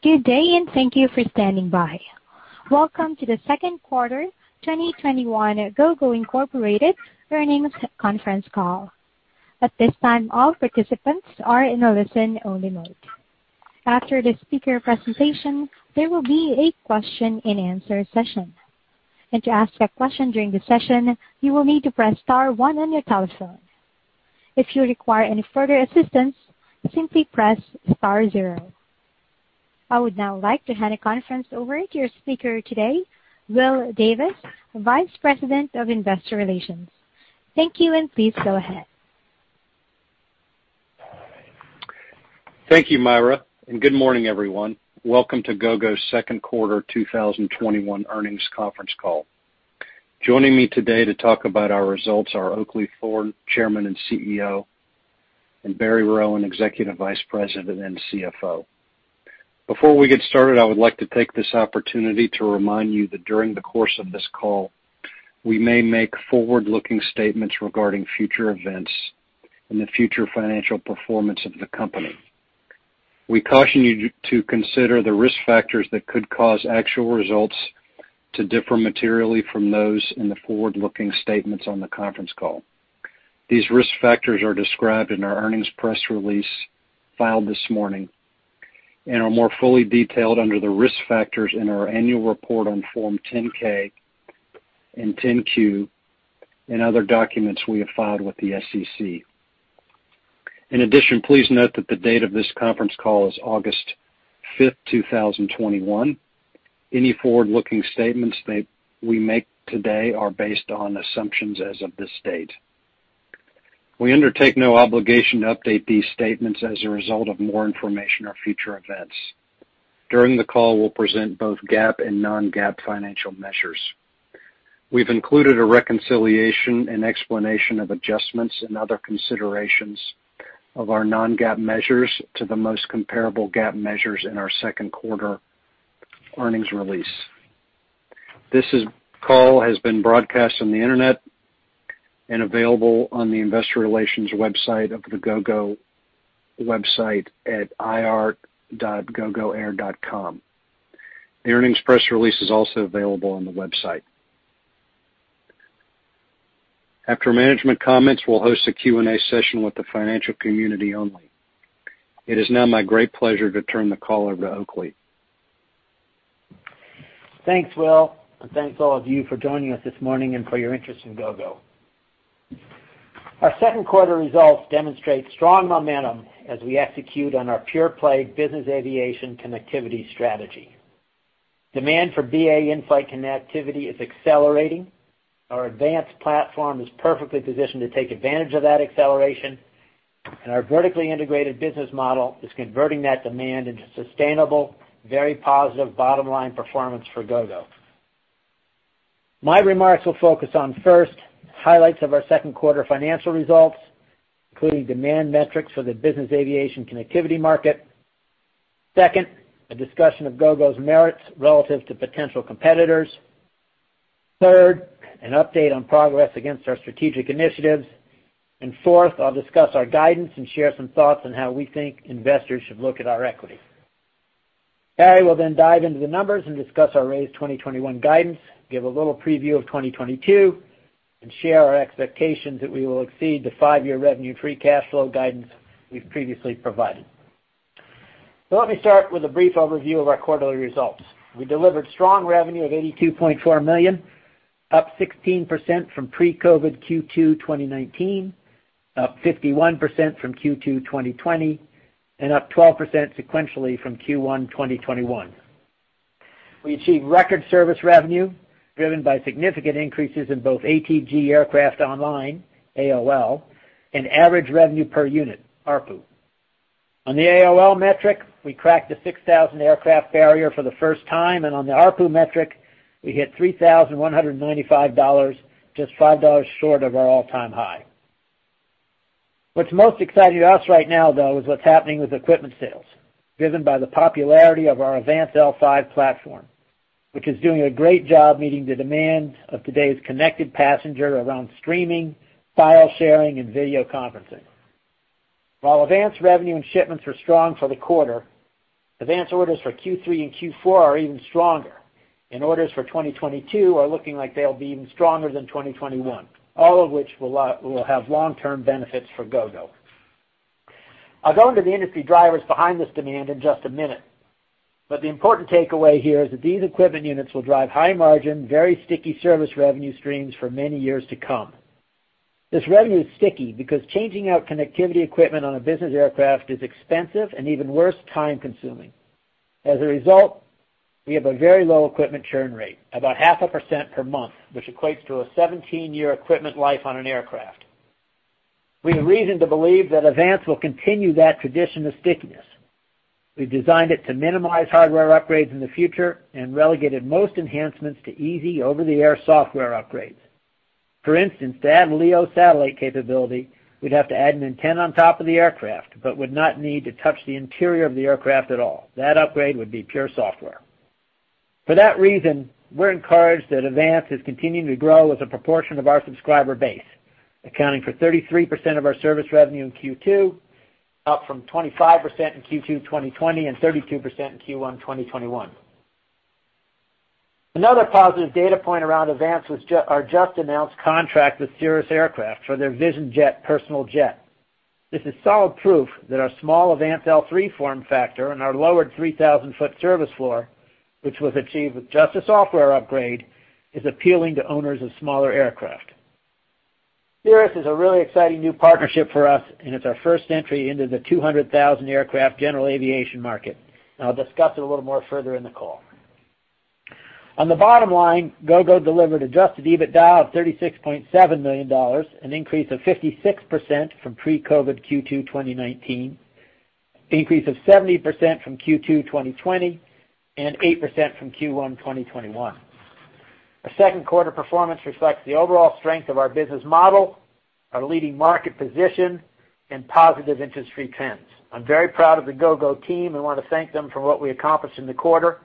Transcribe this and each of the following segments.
Good day, and thank you for standing by. Welcome to the second quarter 2021 Gogo Incorporated earnings conference call. At this time, all participants are in a listen-only mode. After the speaker presentation, there will be a question-and-answer session. To ask a question during the session, you will need to press star one on your telephone. If you require any further assistance, simply press star zero. I would now like to hand the conference over to your speaker today, Will Davis, Vice President of Investor Relations. Thank you, and please go ahead. Thank you, Myra, and good morning, everyone. Welcome to Gogo's second quarter 2021 earnings conference call. Joining me today to talk about our results are Oakleigh Thorne, Chairman and CEO, and Barry Rowan, Executive Vice President and CFO. Before we get started, I would like to take this opportunity to remind you that during the course of this call, we may make forward-looking statements regarding future events and the future financial performance of the company. We caution you to consider the risk factors that could cause actual results to differ materially from those in the forward-looking statements on the conference call. These risk factors are described in our earnings press release filed this morning and are more fully detailed under the risk factors in our annual report on Form 10-K and 10-Q, and other documents we have filed with the SEC. Please note that the date of this conference call is August 5th, 2021. Any forward-looking statements that we make today are based on assumptions as of this date. We undertake no obligation to update these statements as a result of more information or future events. During the call, we'll present both GAAP and non-GAAP financial measures. We've included a reconciliation and explanation of adjustments and other considerations of our non-GAAP measures to the most comparable GAAP measures in our 2nd quarter earnings release. This call has been broadcast on the internet and available on the investor relations website at ir.gogoair.com. The earnings press release is also available on the website. After management comments, we'll host a Q&A session with the financial community only. It is now my great pleasure to turn the call over to Oakleigh. Thanks, Will, and thanks all of you for joining us this morning and for your interest in Gogo. Our second quarter results demonstrate strong momentum as we execute on our pure-play business aviation connectivity strategy. Demand for BA in-flight connectivity is accelerating. Our advanced platform is perfectly positioned to take advantage of that acceleration, and our vertically integrated business model is converting that demand into sustainable, very positive bottom-line performance for Gogo. My remarks will focus on, first, highlights of our second quarter financial results, including demand metrics for the business aviation connectivity market. Second, a discussion of Gogo's merits relative to potential competitors. Third, an update on progress against our strategic initiatives. Fourth, I'll discuss our guidance and share some thoughts on how we think investors should look at our equity. Barry will then dive into the numbers and discuss our raised 2021 guidance, give a little preview of 2022, and share our expectations that we will exceed the five-year revenue free cash flow guidance we've previously provided. Let me start with a brief overview of our quarterly results. We delivered strong revenue of $82.4 million, up 16% from pre-COVID Q2 2019, up 51% from Q2 2020, and up 12% sequentially from Q1 2021. We achieved record service revenue driven by significant increases in both ATG Aircraft Online, AOL, and Average Revenue Per Unit, ARPU. On the AOL metric, we cracked the 6,000 aircraft barrier for the first time, and on the ARPU metric, we hit $3,195, just $5 short of our all-time high. What's most exciting to us right now, though, is what's happening with equipment sales, driven by the popularity of our AVANCE L5 platform, which is doing a great job meeting the demand of today's connected passenger around streaming, file sharing, and video conferencing. While AVANCE revenue and shipments were strong for the quarter, AVANCE orders for Q3 and Q4 are even stronger, and orders for 2022 are looking like they'll be even stronger than 2021, all of which will have long-term benefits for Gogo. I'll go into the industry drivers behind this demand in just a minute, but the important takeaway here is that these equipment units will drive high margin, very sticky service revenue streams for many years to come. This revenue is sticky because changing out connectivity equipment on a business aircraft is expensive and, even worse, time-consuming. As a result, we have a very low equipment churn rate, about 0.5% per month, which equates to a 17-year equipment life on an aircraft. We have reason to believe that AVANCE will continue that tradition of stickiness. We've designed it to minimize hardware upgrades in the future and relegated most enhancements to easy over-the-air software upgrades. For instance, to add LEO satellite capability, we'd have to add an antenna on top of the aircraft but would not need to touch the interior of the aircraft at all. That upgrade would be pure software. For that reason, we're encouraged that AVANCE is continuing to grow as a proportion of our subscriber base, accounting for 33% of our service revenue in Q2, up from 25% in Q2 2020 and 32% in Q1 2021. Another positive data point around AVANCE was our just-announced contract with Cirrus Aircraft for their Vision Jet personal jet. This is solid proof that our small AVANCE L3 form factor and our lowered 3,000-foot service floor, which was achieved with just a software upgrade, is appealing to owners of smaller aircraft. Cirrus is a really exciting new partnership for us. It's our first entry into the 200,000 aircraft general aviation market. I'll discuss it a little more further in the call. On the bottom line, Gogo delivered adjusted EBITDA of $36.7 million, an increase of 56% from pre-COVID Q2 2019, an increase of 70% from Q2 2020, and 8% from Q1 2021. Our second quarter performance reflects the overall strength of our business model, our leading market position, and positive industry trends. I'm very proud of the Gogo team and want to thank them for what we accomplished in the quarter.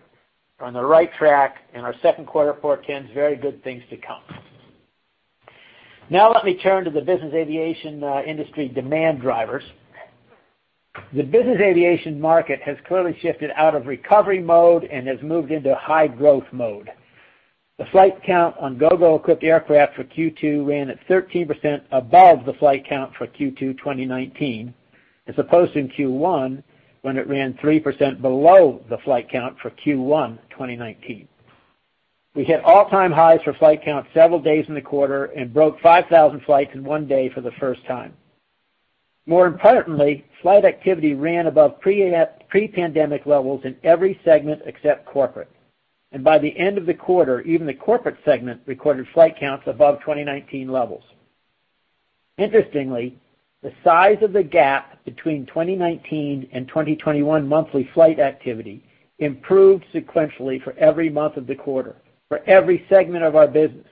We're on the right track, and our second quarter portends very good things to come. Now let me turn to the business aviation industry demand drivers. The business aviation market has clearly shifted out of recovery mode and has moved into high growth mode. The flight count on Gogo-equipped aircraft for Q2 ran at 13% above the flight count for Q2 2019, as opposed to in Q1, when it ran 3% below the flight count for Q1 2019. We hit all-time highs for flight count several days in the quarter and broke 5,000 flights in one day for the first time. More importantly, flight activity ran above pre-pandemic levels in every segment except corporate. By the end of the quarter, even the corporate segment recorded flight counts above 2019 levels. Interestingly, the size of the gap between 2019 and 2021 monthly flight activity improved sequentially for every month of the quarter, for every segment of our business,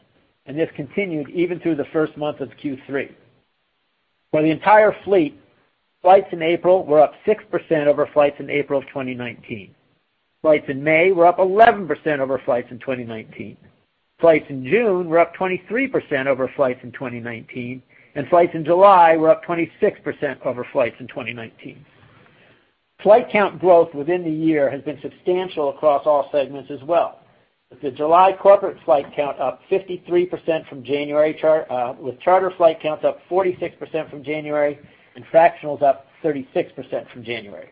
and this continued even through the first month of Q3. For the entire fleet, flights in April were up 6% over flights in April of 2019. Flights in May were up 11% over flights in 2019. Flights in June were up 23% over flights in 2019, and flights in July were up 26% over flights in 2019. Flight count growth within the year has been substantial across all segments as well, with the July corporate flight count up 53% from January, with charter flight counts up 46% from January, and fractionals up 36% from January.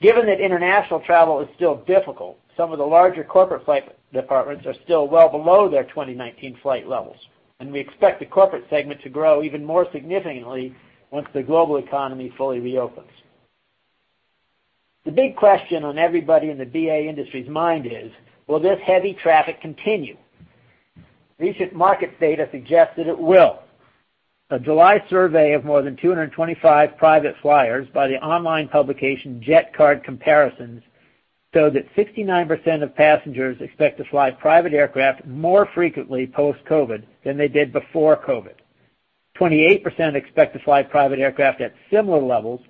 Given that international travel is still difficult, some of the larger corporate flight departments are still well below their 2019 flight levels, and we expect the corporate segment to grow even more significantly once the global economy fully reopens. The big question on everybody in the BA industry's mind is: Will this heavy traffic continue? Recent market data suggests that it will. A July survey of more than 225 private flyers by the online publication Jet Card Comparisons showed that 69% of passengers expect to fly private aircraft more frequently post-COVID than they did before COVID. 28% expect to fly private aircraft at similar levels,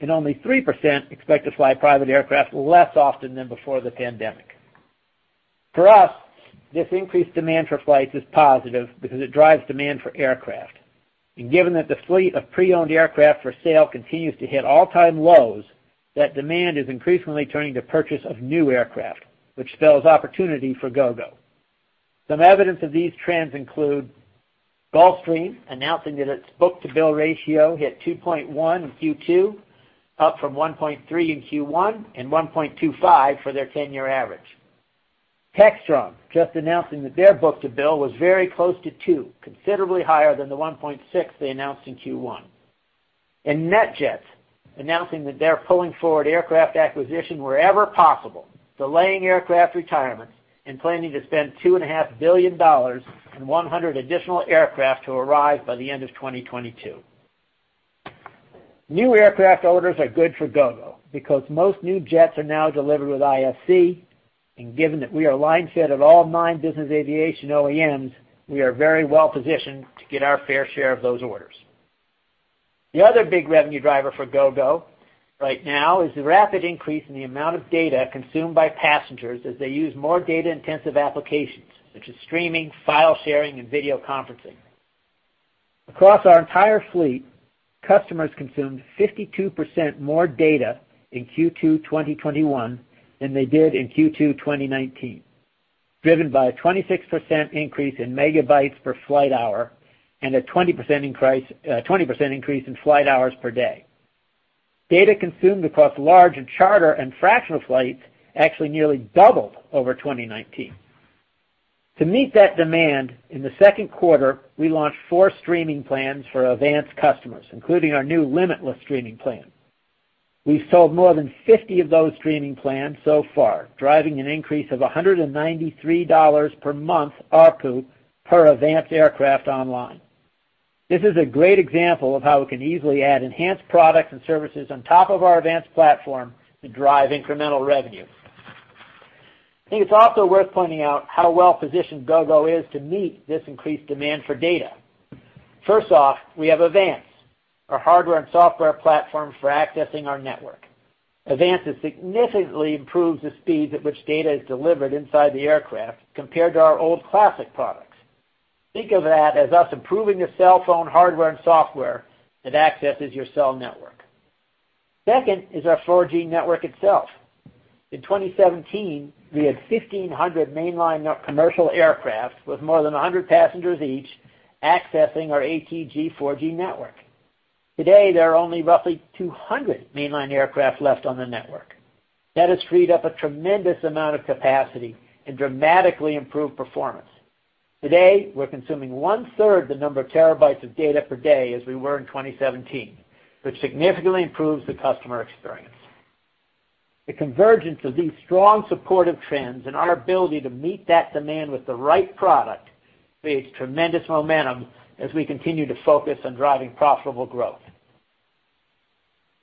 and only 3% expect to fly private aircraft less often than before the pandemic. For us, this increased demand for flights is positive because it drives demand for aircraft. Given that the fleet of pre-owned aircraft for sale continues to hit all-time lows, that demand is increasingly turning to purchase of new aircraft, which spells opportunity for Gogo. Some evidence of these trends include Gulfstream announcing that its book-to-bill ratio hit 2.1 in Q2, up from 1.3 in Q1 and 1.25 for their 10-year average. Textron just announcing that their book to bill was very close to two, considerably higher than the 1.6 they announced in Q1. NetJets announcing that they're pulling forward aircraft acquisition wherever possible, delaying aircraft retirement, and planning to spend $2.5 billion on 100 additional aircraft to arrive by the end of 2022. New aircraft orders are good for Gogo because most new jets are now delivered with IFC. Given that we are line fit at all nine business aviation OEMs, we are very well positioned to get our fair share of those orders. The other big revenue driver for Gogo right now is the rapid increase in the amount of data consumed by passengers as they use more data-intensive applications, such as streaming, file sharing, and video conferencing. Across our entire fleet, customers consumed 52% more data in Q2 2021 than they did in Q2 2019, driven by a 26% increase in megabytes per flight hour and a 20% increase in flight hours per day. Data consumed across large and charter and fractional flights actually nearly doubled over 2019. To meet that demand, in the second quarter, we launched four streaming plans for AVANCE customers, including our new limitless streaming plan. We've sold more than 50 of those streaming plans so far, driving an increase of $193 per month ARPU per AVANCE aircraft online. This is a great example of how we can easily add enhanced products and services on top of our AVANCE platform to drive incremental revenue. I think it's also worth pointing out how well-positioned Gogo is to meet this increased demand for data. First off, we have AVANCE, our hardware and software platform for accessing our network. AVANCE has significantly improved the speeds at which data is delivered inside the aircraft compared to our old classic products. Think of that as us improving the cell phone hardware and software that accesses your cell network. Second is our 4G network itself. In 2017, we had 1,500 mainline commercial aircraft with more than 100 passengers each accessing our ATG 4G network. Today, there are only roughly 200 mainline aircraft left on the network. That has freed up a tremendous amount of capacity and dramatically improved performance. Today, we're consuming one-third the number of terabytes of data per day as we were in 2017, which significantly improves the customer experience. The convergence of these strong supportive trends and our ability to meet that demand with the right product creates tremendous momentum as we continue to focus on driving profitable growth.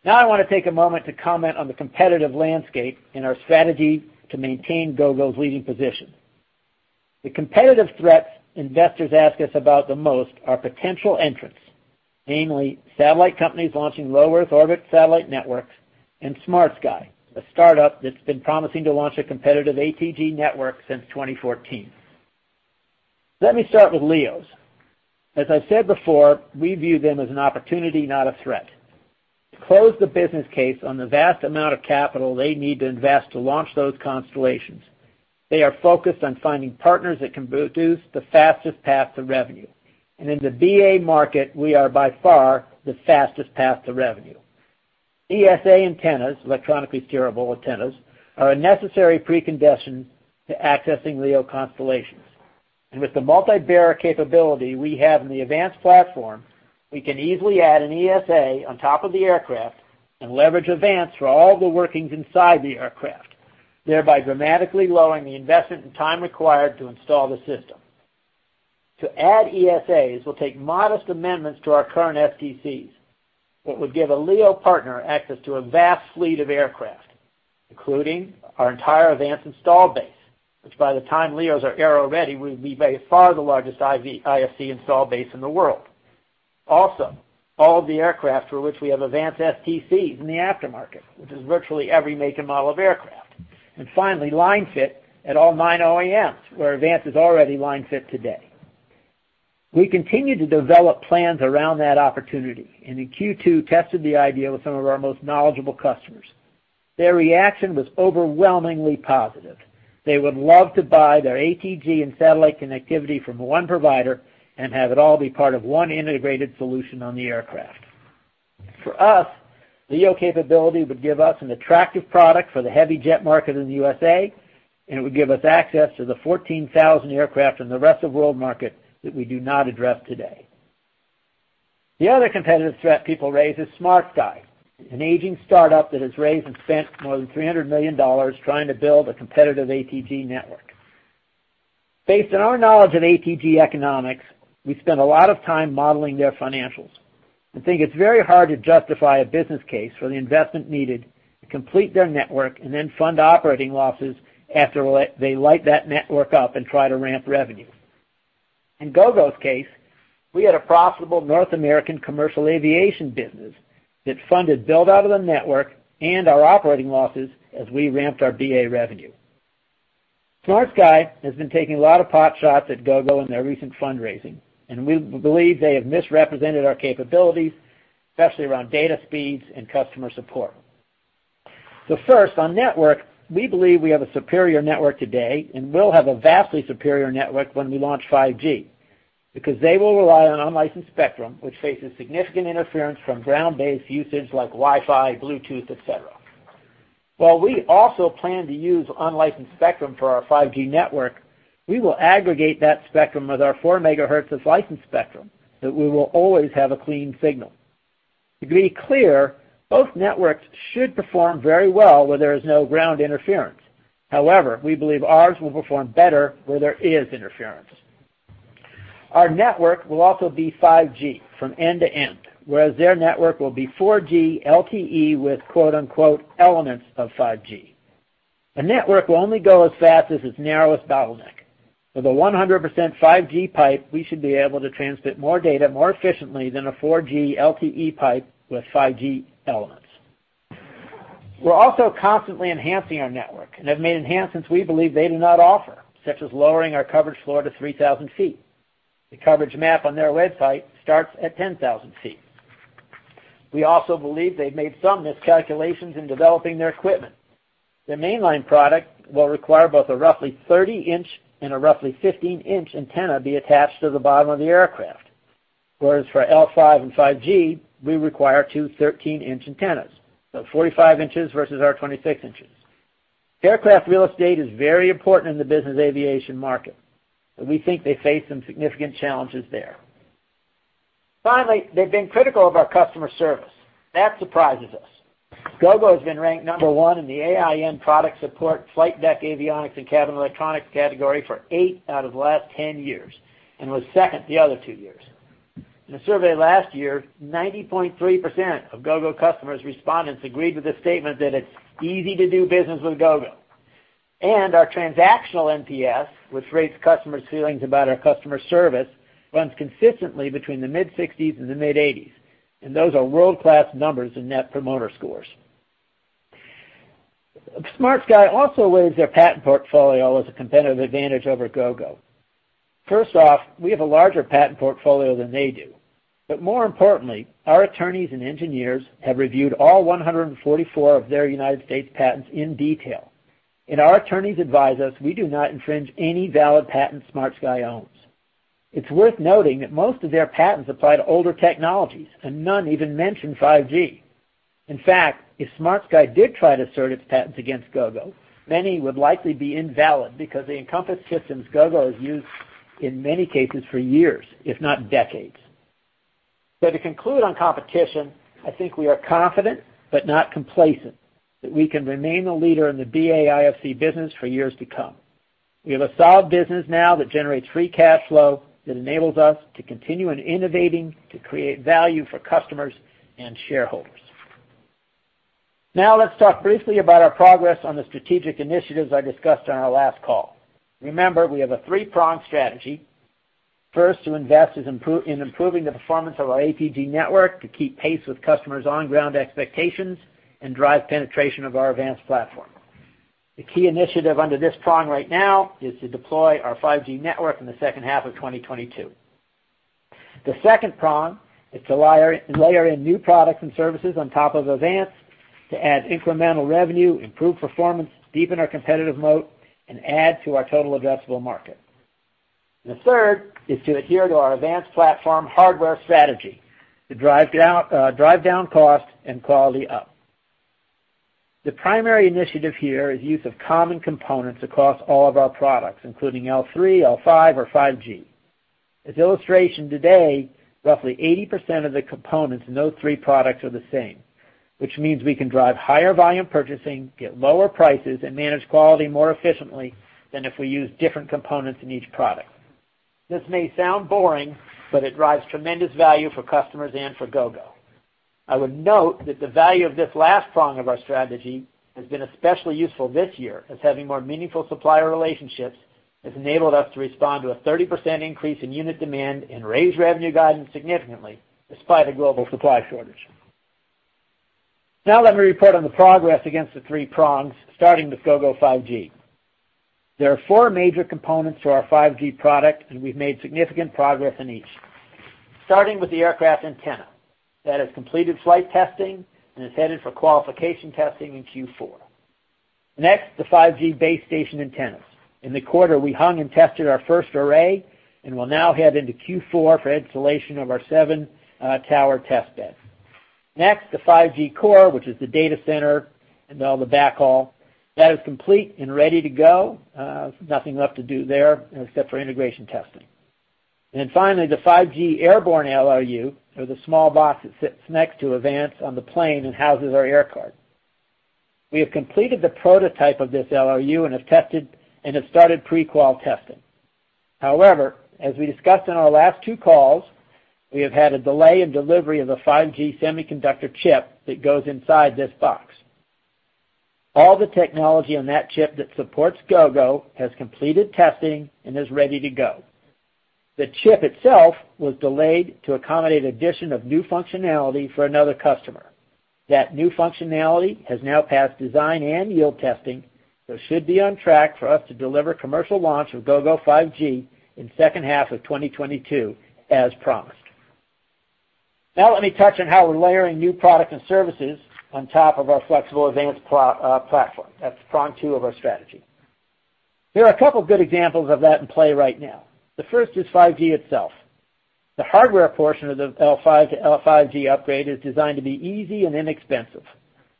Now I want to take a moment to comment on the competitive landscape and our strategy to maintain Gogo's leading position. The competitive threats investors ask us about the most are potential entrants, namely satellite companies launching low Earth orbit satellite networks, and SmartSky, a startup that's been promising to launch a competitive ATG network since 2014. Let me start with LEOs. As I've said before, we view them as an opportunity, not a threat. To close the business case on the vast amount of capital they need to invest to launch those constellations, they are focused on finding partners that can produce the fastest path to revenue. In the BA market, we are by far the fastest path to revenue. ESA antennas, electronically steerable antennas, are a necessary precondition to accessing LEO constellations. With the multi-bearer capability we have in the AVANCE platform, we can easily add an ESA on top of the aircraft and leverage AVANCE for all the workings inside the aircraft, thereby dramatically lowering the investment and time required to install the system. To add ESAs will take modest amendments to our current STCs, but would give a LEO partner access to a vast fleet of aircraft, including our entire AVANCE install base, which by the time LEOs are aero-ready, will be by far the largest IFC install base in the world. Also, all of the aircraft for which we have AVANCE STCs in the aftermarket, which is virtually every make and model of aircraft. Finally, line fit at all nine OEMs, where AVANCE is already line fit today. We continue to develop plans around that opportunity, and in Q2 tested the idea with some of our most knowledgeable customers. Their reaction was overwhelmingly positive. They would love to buy their ATG and satellite connectivity from 1 provider and have it all be part of 1 integrated solution on the aircraft. For us, LEO capability would give us an attractive product for the heavy jet market in the U.S., and it would give us access to the 14,000 aircraft in the rest of world market that we do not address today. The other competitive threat people raise is SmartSky, an aging startup that has raised and spent more than $300 million trying to build a competitive ATG network. Based on our knowledge of ATG economics, we spent a lot of time modeling their financials and think it's very hard to justify a business case for the investment needed to complete their network and then fund operating losses after they light that network up and try to ramp revenue. In Gogo's case, we had a profitable North American commercial aviation business that funded build-out of the network and our operating losses as we ramped our BA revenue. SmartSky has been taking a lot of potshots at Gogo in their recent fundraising. We believe they have misrepresented our capabilities, especially around data speeds and customer support. First, on network, we believe we have a superior network today and will have a vastly superior network when we launch 5G, because they will rely on unlicensed spectrum, which faces significant interference from ground-based usage like Wi-Fi, Bluetooth, et cetera. While we also plan to use unlicensed spectrum for our 5G network, we will aggregate that spectrum with our 4 MHz of licensed spectrum, that we will always have a clean signal. To be clear, both networks should perform very well where there is no ground interference. However, we believe ours will perform better where there is interference. Our network will also be 5G from end to end, whereas their network will be 4G LTE with quote-unquote, elements of 5G. A network will only go as fast as its narrowest bottleneck. With a 100% 5G pipe, we should be able to transmit more data more efficiently than a 4G LTE pipe with 5G elements. We're also constantly enhancing our network and have made enhancements we believe they do not offer, such as lowering our coverage floor to 3,000 feet. The coverage map on their website starts at 10,000 feet. We also believe they've made some miscalculations in developing their equipment. Their mainline product will require both a roughly 30-inch and a roughly 15-inch antenna be attached to the bottom of the aircraft. For L5 and 5G, we require two 13-inch antennas, so 45 inches versus our 26 inches. Aircraft real estate is very important in the business aviation market, and we think they face some significant challenges there. Finally, they've been critical of our customer service. That surprises us. Gogo has been ranked number one in the AIN Product Support, Flight Deck Avionics, and Cabin Electronics category for eight out of the last 10 years, and was second the other two years. In a survey last year, 90.3% of Gogo customers respondents agreed with the statement that it's easy to do business with Gogo. Our transactional NPS, which rates customers' feelings about our customer service, runs consistently between the mid-60s and the mid-80s, and those are world-class numbers in net promoter scores. SmartSky also weighs their patent portfolio as a competitive advantage over Gogo. First off, we have a larger patent portfolio than they do. More importantly, our attorneys and engineers have reviewed all 144 of their U.S. patents in detail. Our attorneys advise us we do not infringe any valid patent SmartSky Networks owns. It's worth noting that most of their patents apply to older technologies, and none even mention 5G. In fact, if SmartSky Networks did try to assert its patents against Gogo, many would likely be invalid because they encompass systems Gogo has used, in many cases, for years, if not decades. To conclude on competition, I think we are confident but not complacent that we can remain a leader in the BA IFC business for years to come. We have a solid business now that generates free cash flow that enables us to continue in innovating to create value for customers and shareholders. Let's talk briefly about our progress on the strategic initiatives I discussed on our last call. Remember, we have a three-pronged strategy. First, to invest in improving the performance of our ATG network to keep pace with customers' on-ground expectations and drive penetration of our AVANCE platform. The key initiative under this prong right now is to deploy our 5G network in the second half of 2022. The second prong is to layer in new products and services on top of AVANCE to add incremental revenue, improve performance, deepen our competitive moat, and add to our total addressable market. The third is to adhere to our AVANCE platform hardware strategy to drive down cost and quality up. The primary initiative here is use of common components across all of our products, including L3, L5, or 5G. As illustration today, roughly 80% of the components in those three products are the same, which means we can drive higher volume purchasing, get lower prices, and manage quality more efficiently than if we use different components in each product. This may sound boring, but it drives tremendous value for customers and for Gogo. I would note that the value of this last prong of our strategy has been especially useful this year, as having more meaningful supplier relationships has enabled us to respond to a 30% increase in unit demand and raise revenue guidance significantly despite a global supply shortage. Now let me report on the progress against the three prongs, starting with Gogo 5G. There are four major components to our 5G product, and we've made significant progress in each. Starting with the aircraft antenna. That has completed flight testing and is headed for qualification testing in Q4. The 5G base station antennas. In the quarter, we hung and tested our first array and will now head into Q4 for installation of our seven tower test beds. The 5G core, which is the data center and all the backhaul. That is complete and ready to go. Nothing left to do there except for integration testing. Finally, the 5G airborne LRU, or the small box that sits next to AVANCE on the plane and houses our air card. We have completed the prototype of this LRU and have started pre-qual testing. However, as we discussed on our last two calls, we have had a delay in delivery of the 5G semiconductor chip that goes inside this box. All the technology on that chip that supports Gogo has completed testing and is ready to go. The chip itself was delayed to accommodate addition of new functionality for another customer. That new functionality has now passed design and yield testing, so should be on track for us to deliver commercial launch of Gogo 5G in second half of 2022 as promised. Let me touch on how we're layering new product and services on top of our flexible AVANCE platform. That's prong 2 of our strategy. There are a couple good examples of that in play right now. The first is 5G itself. The hardware portion of the L5 to L5G upgrade is designed to be easy and inexpensive.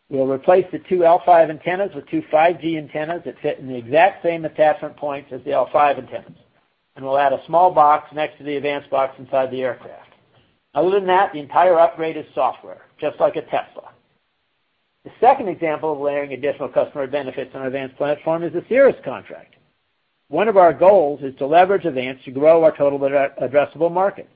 We'll replace the 2 L5 antennas with 2 5G antennas that fit in the exact same attachment points as the L5 antennas. We'll add a small box next to the AVANCE box inside the aircraft. Other than that, the entire upgrade is software, just like a Tesla. The second example of layering additional customer benefits on AVANCE platform is the Cirrus contract. One of our goals is to leverage AVANCE to grow our total addressable market.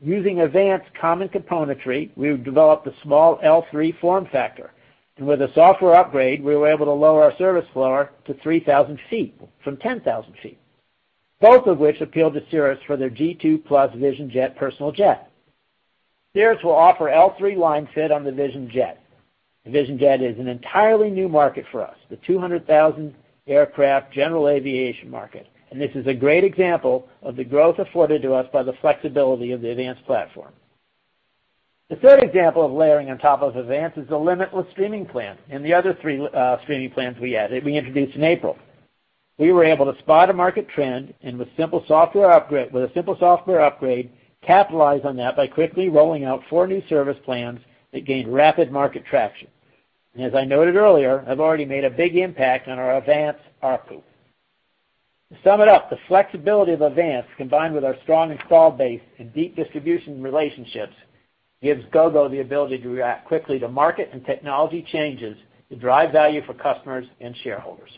Using AVANCE common componentry, we've developed a small L3 form factor, and with a software upgrade, we were able to lower our service floor to 3,000 feet from 10,000 feet, both of which appeal to Cirrus for their G2+ Vision Jet personal jet. Cirrus will offer L3 line fit on the Vision Jet. The Vision Jet is an entirely new market for us, the 200,000 aircraft general aviation market. This is a great example of the growth afforded to us by the flexibility of the AVANCE platform. The third example of layering on top of AVANCE is the limitless streaming plan and the other three streaming plans we added, we introduced in April. We were able to spot a market trend, and with a simple software upgrade, capitalize on that by quickly rolling out four new service plans that gained rapid market traction. As I noted earlier, have already made a big impact on our AVANCE ARPU. To sum it up, the flexibility of AVANCE, combined with our strong install base and deep distribution relationships, gives Gogo the ability to react quickly to market and technology changes to drive value for customers and shareholders.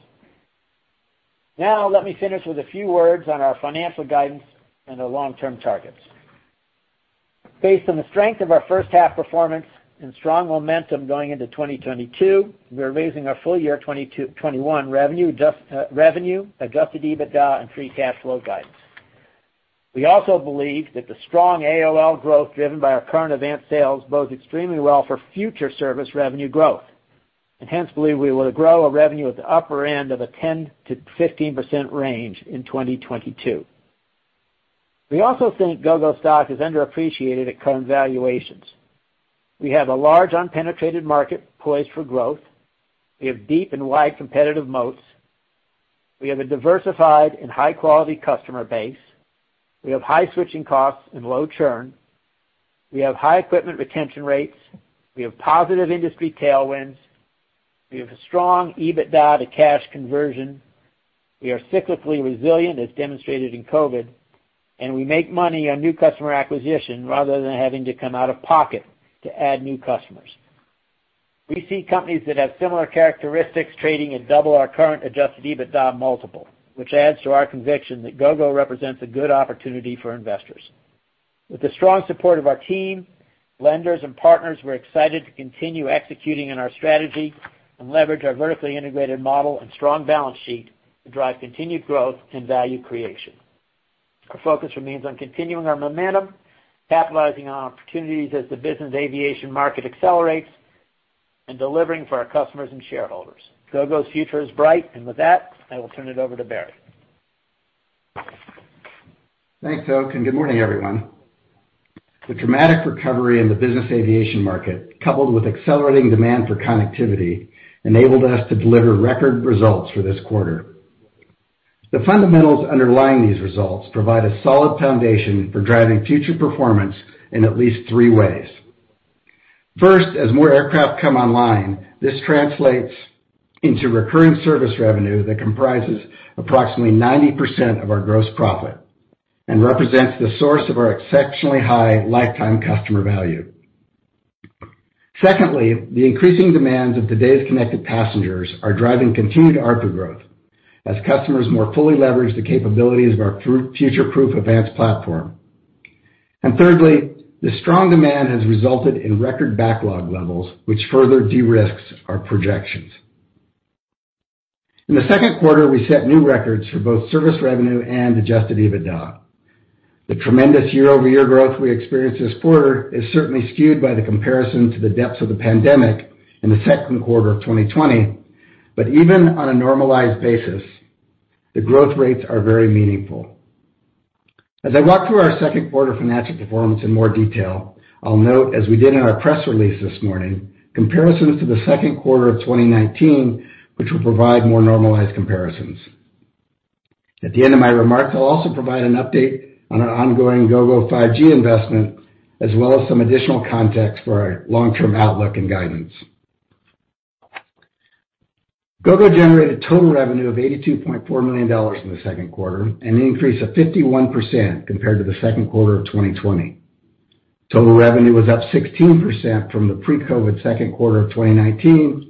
Let me finish with a few words on our financial guidance and our long-term targets. Based on the strength of our first-half performance and strong momentum going into 2022, we are raising our full-year 2021 revenue, adjusted EBITDA, and free cash flow guidance. We also believe that the strong AOL growth driven by our current AVANCE sales bodes extremely well for future service revenue growth, hence believe we will grow our revenue at the upper end of a 10%-15% range in 2022. We also think Gogo's stock is underappreciated at current valuations. We have a large unpenetrated market poised for growth. We have deep and wide competitive moats. We have a diversified and high-quality customer base. We have high switching costs and low churn. We have high equipment retention rates. We have positive industry tailwinds. We have a strong EBITDA to cash conversion. We are cyclically resilient, as demonstrated in COVID. We make money on new customer acquisition rather than having to come out of pocket to add new customers. We see companies that have similar characteristics trading at double our current adjusted EBITDA multiple, which adds to our conviction that Gogo represents a good opportunity for investors. With the strong support of our team, lenders, and partners, we're excited to continue executing on our strategy and leverage our vertically integrated model and strong balance sheet to drive continued growth and value creation. Our focus remains on continuing our momentum, capitalizing on opportunities as the business aviation market accelerates, and delivering for our customers and shareholders. Gogo's future is bright. With that, I will turn it over to Barry. Thanks, Oak. Good morning, everyone. The dramatic recovery in the business aviation market, coupled with accelerating demand for connectivity, enabled us to deliver record results for this quarter. The fundamentals underlying these results provide a solid foundation for driving future performance in at least three ways. First, as more aircraft come online, this translates into recurring service revenue that comprises approximately 90% of our gross profit and represents the source of our exceptionally high lifetime customer value. Secondly, the increasing demands of today's connected passengers are driving continued ARPU growth as customers more fully leverage the capabilities of our future-proof AVANCE platform. Thirdly, the strong demand has resulted in record backlog levels, which further de-risks our projections. In the second quarter, we set new records for both service revenue and adjusted EBITDA. The tremendous year-over-year growth we experienced this quarter is certainly skewed by the comparison to the depths of the pandemic in the second quarter of 2020. Even on a normalized basis, the growth rates are very meaningful. As I walk through our second quarter financial performance in more detail, I'll note, as we did in our press release this morning, comparisons to the second quarter of 2019, which will provide more normalized comparisons. At the end of my remarks, I'll also provide an update on our ongoing Gogo 5G investment, as well as some additional context for our long-term outlook and guidance. Gogo generated total revenue of $82.4 million in the second quarter, an increase of 51% compared to the second quarter of 2020. Total revenue was up 16% from the pre-COVID second quarter of 2019.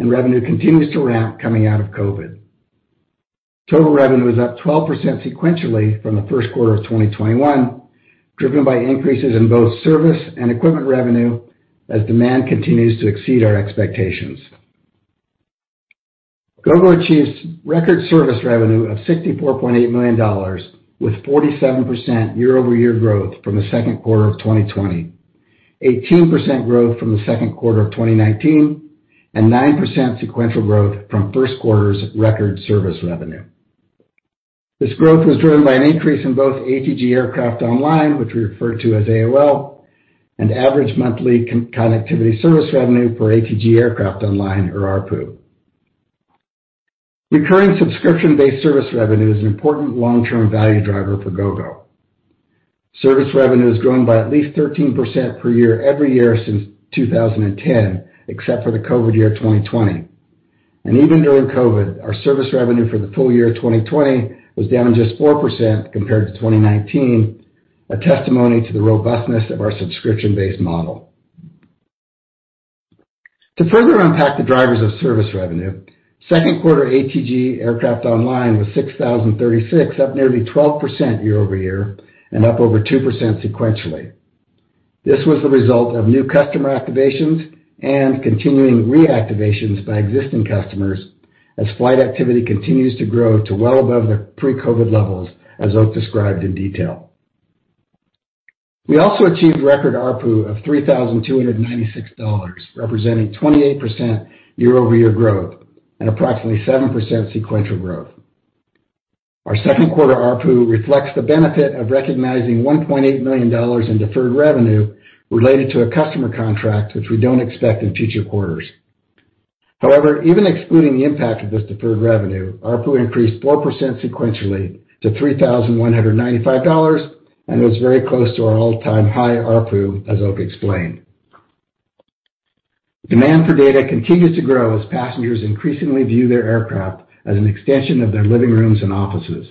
Revenue continues to ramp coming out of COVID. Total revenue was up 12% sequentially from the first quarter of 2021, driven by increases in both service and equipment revenue as demand continues to exceed our expectations. Gogo achieved record service revenue of $64.8 million, with 47% year-over-year growth from the second quarter of 2020, 18% growth from the second quarter of 2019, and 9% sequential growth from first quarter's record service revenue. This growth was driven by an increase in both ATG Aircraft online, which we refer to as AOL, and average monthly connectivity service revenue for ATG Aircraft online or ARPU. Recurring subscription-based service revenue is an important long-term value driver for Gogo. Service revenue has grown by at least 13% per year every year since 2010, except for the COVID year 2020. Even during COVID, our service revenue for the full year 2020 was down just 4% compared to 2019, a testimony to the robustness of our subscription-based model. To further unpack the drivers of service revenue, second quarter ATG Aircraft online was 6,036, up nearly 12% year-over-year and up over 2% sequentially. This was the result of new customer activations and continuing reactivations by existing customers as flight activity continues to grow to well above their pre-COVID levels, as Oak described in detail. We also achieved record ARPU of $3,296, representing 28% year-over-year growth and approximately 7% sequential growth. Our second quarter ARPU reflects the benefit of recognizing $1.8 million in deferred revenue related to a customer contract, which we don't expect in future quarters. However, even excluding the impact of this deferred revenue, ARPU increased 4% sequentially to $3,195 and was very close to our all-time high ARPU, as Oakleigh explained. Demand for data continues to grow as passengers increasingly view their aircraft as an extension of their living rooms and offices.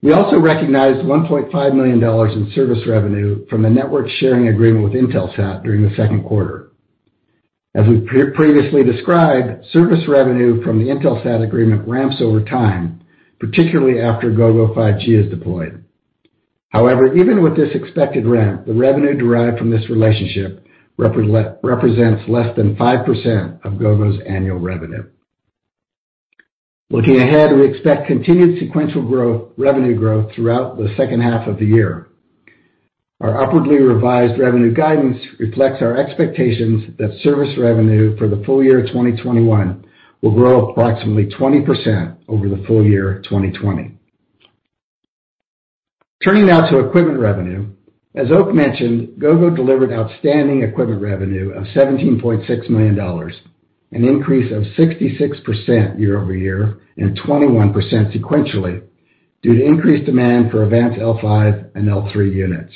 We also recognized $1.5 million in service revenue from the network sharing agreement with Intelsat during the second quarter. As we previously described, service revenue from the Intelsat agreement ramps over time, particularly after Gogo 5G is deployed. However, even with this expected ramp, the revenue derived from this relationship represents less than 5% of Gogo's annual revenue. Looking ahead, we expect continued sequential revenue growth throughout the second half of the year. Our upwardly revised revenue guidance reflects our expectations that service revenue for the full year 2021 will grow approximately 20% over the full year 2020. Turning now to equipment revenue. As Oak mentioned, Gogo delivered outstanding equipment revenue of $17.6 million, an increase of 66% year-over-year and 21% sequentially due to increased demand for AVANCE L5 and L3 units.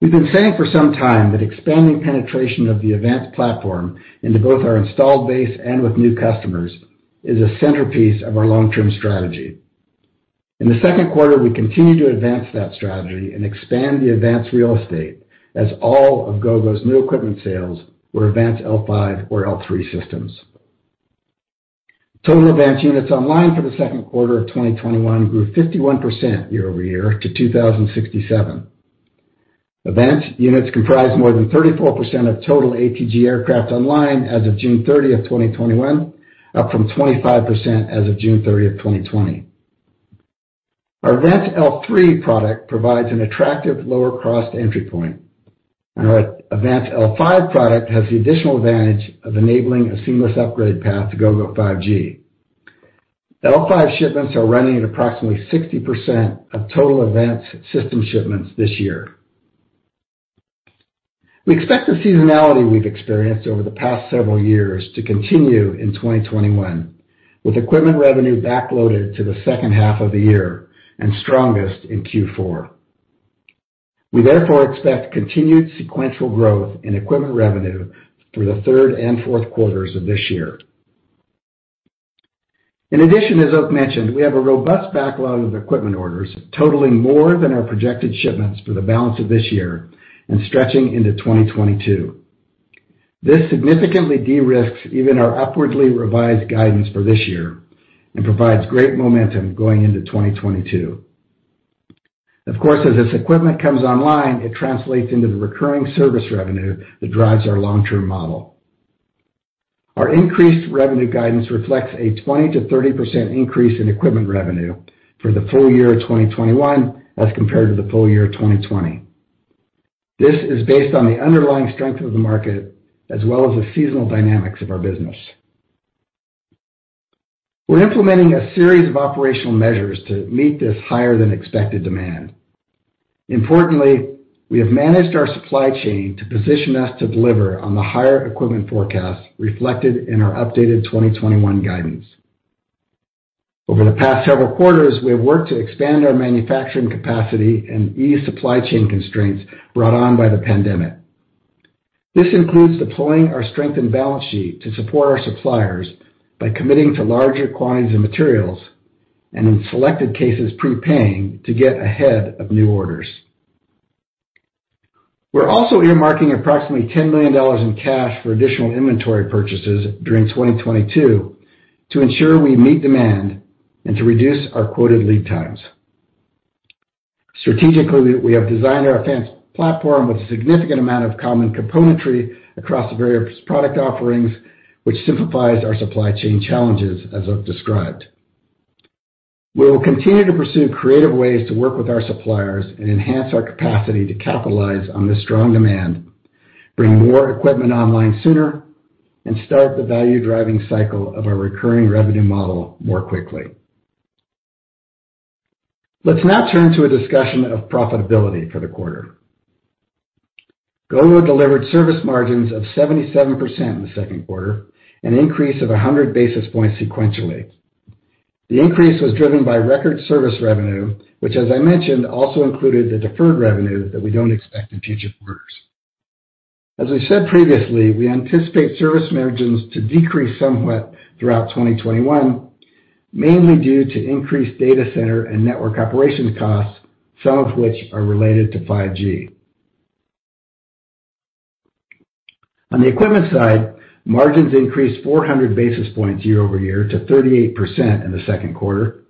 We've been saying for some time that expanding penetration of the AVANCE platform into both our installed base and with new customers is a centerpiece of our long-term strategy. In the second quarter, we continued to advance that strategy and expand the AVANCE real estate as all of Gogo's new equipment sales were AVANCE L5 or L3 systems. Total AVANCE units online for the second quarter of 2021 grew 51% year-over-year to 2,067. AVANCE units comprise more than 34% of total ATG aircraft online as of June 30th, 2021, up from 25% as of June 30th, 2020. Our AVANCE L3 product provides an attractive lower cost entry point. Our AVANCE L5 product has the additional advantage of enabling a seamless upgrade path to Gogo 5G. L5 shipments are running at approximately 60% of total AVANCE system shipments this year. We expect the seasonality we've experienced over the past several years to continue in 2021, with equipment revenue backloaded to the second half of the year and strongest in Q4. We therefore expect continued sequential growth in equipment revenue through the third and fourth quarters of this year. In addition, as Oak mentioned, we have a robust backlog of equipment orders totaling more than our projected shipments for the balance of this year and stretching into 2022. This significantly de-risks even our upwardly revised guidance for this year and provides great momentum going into 2022. Of course, as this equipment comes online, it translates into the recurring service revenue that drives our long-term model. Our increased revenue guidance reflects a 20%-30% increase in equipment revenue for the full year 2021 as compared to the full year 2020. This is based on the underlying strength of the market as well as the seasonal dynamics of our business. We're implementing a series of operational measures to meet this higher than expected demand. Importantly, we have managed our supply chain to position us to deliver on the higher equipment forecast reflected in our updated 2021 guidance. Over the past several quarters, we have worked to expand our manufacturing capacity and ease supply chain constraints brought on by the pandemic. This includes deploying our strengthened balance sheet to support our suppliers by committing to larger quantities of materials, and in selected cases, prepaying to get ahead of new orders. We're also earmarking approximately $10 million in cash for additional inventory purchases during 2022 to ensure we meet demand and to reduce our quoted lead times. Strategically, we have designed our AVANCE platform with a significant amount of common componentry across the various product offerings, which simplifies our supply chain challenges as I've described. We will continue to pursue creative ways to work with our suppliers and enhance our capacity to capitalize on this strong demand, bring more equipment online sooner, and start the value-driving cycle of our recurring revenue model more quickly. Let's now turn to a discussion of profitability for the quarter. Gogo delivered service margins of 77% in the second quarter, an increase of 100 basis points sequentially. The increase was driven by record service revenue, which as I mentioned, also included the deferred revenue that we don't expect in future quarters. As we said previously, we anticipate service margins to decrease somewhat throughout 2021, mainly due to increased data center and network operations costs, some of which are related to 5G. On the equipment side, margins increased 400 basis points year-over-year to 38% in the second quarter,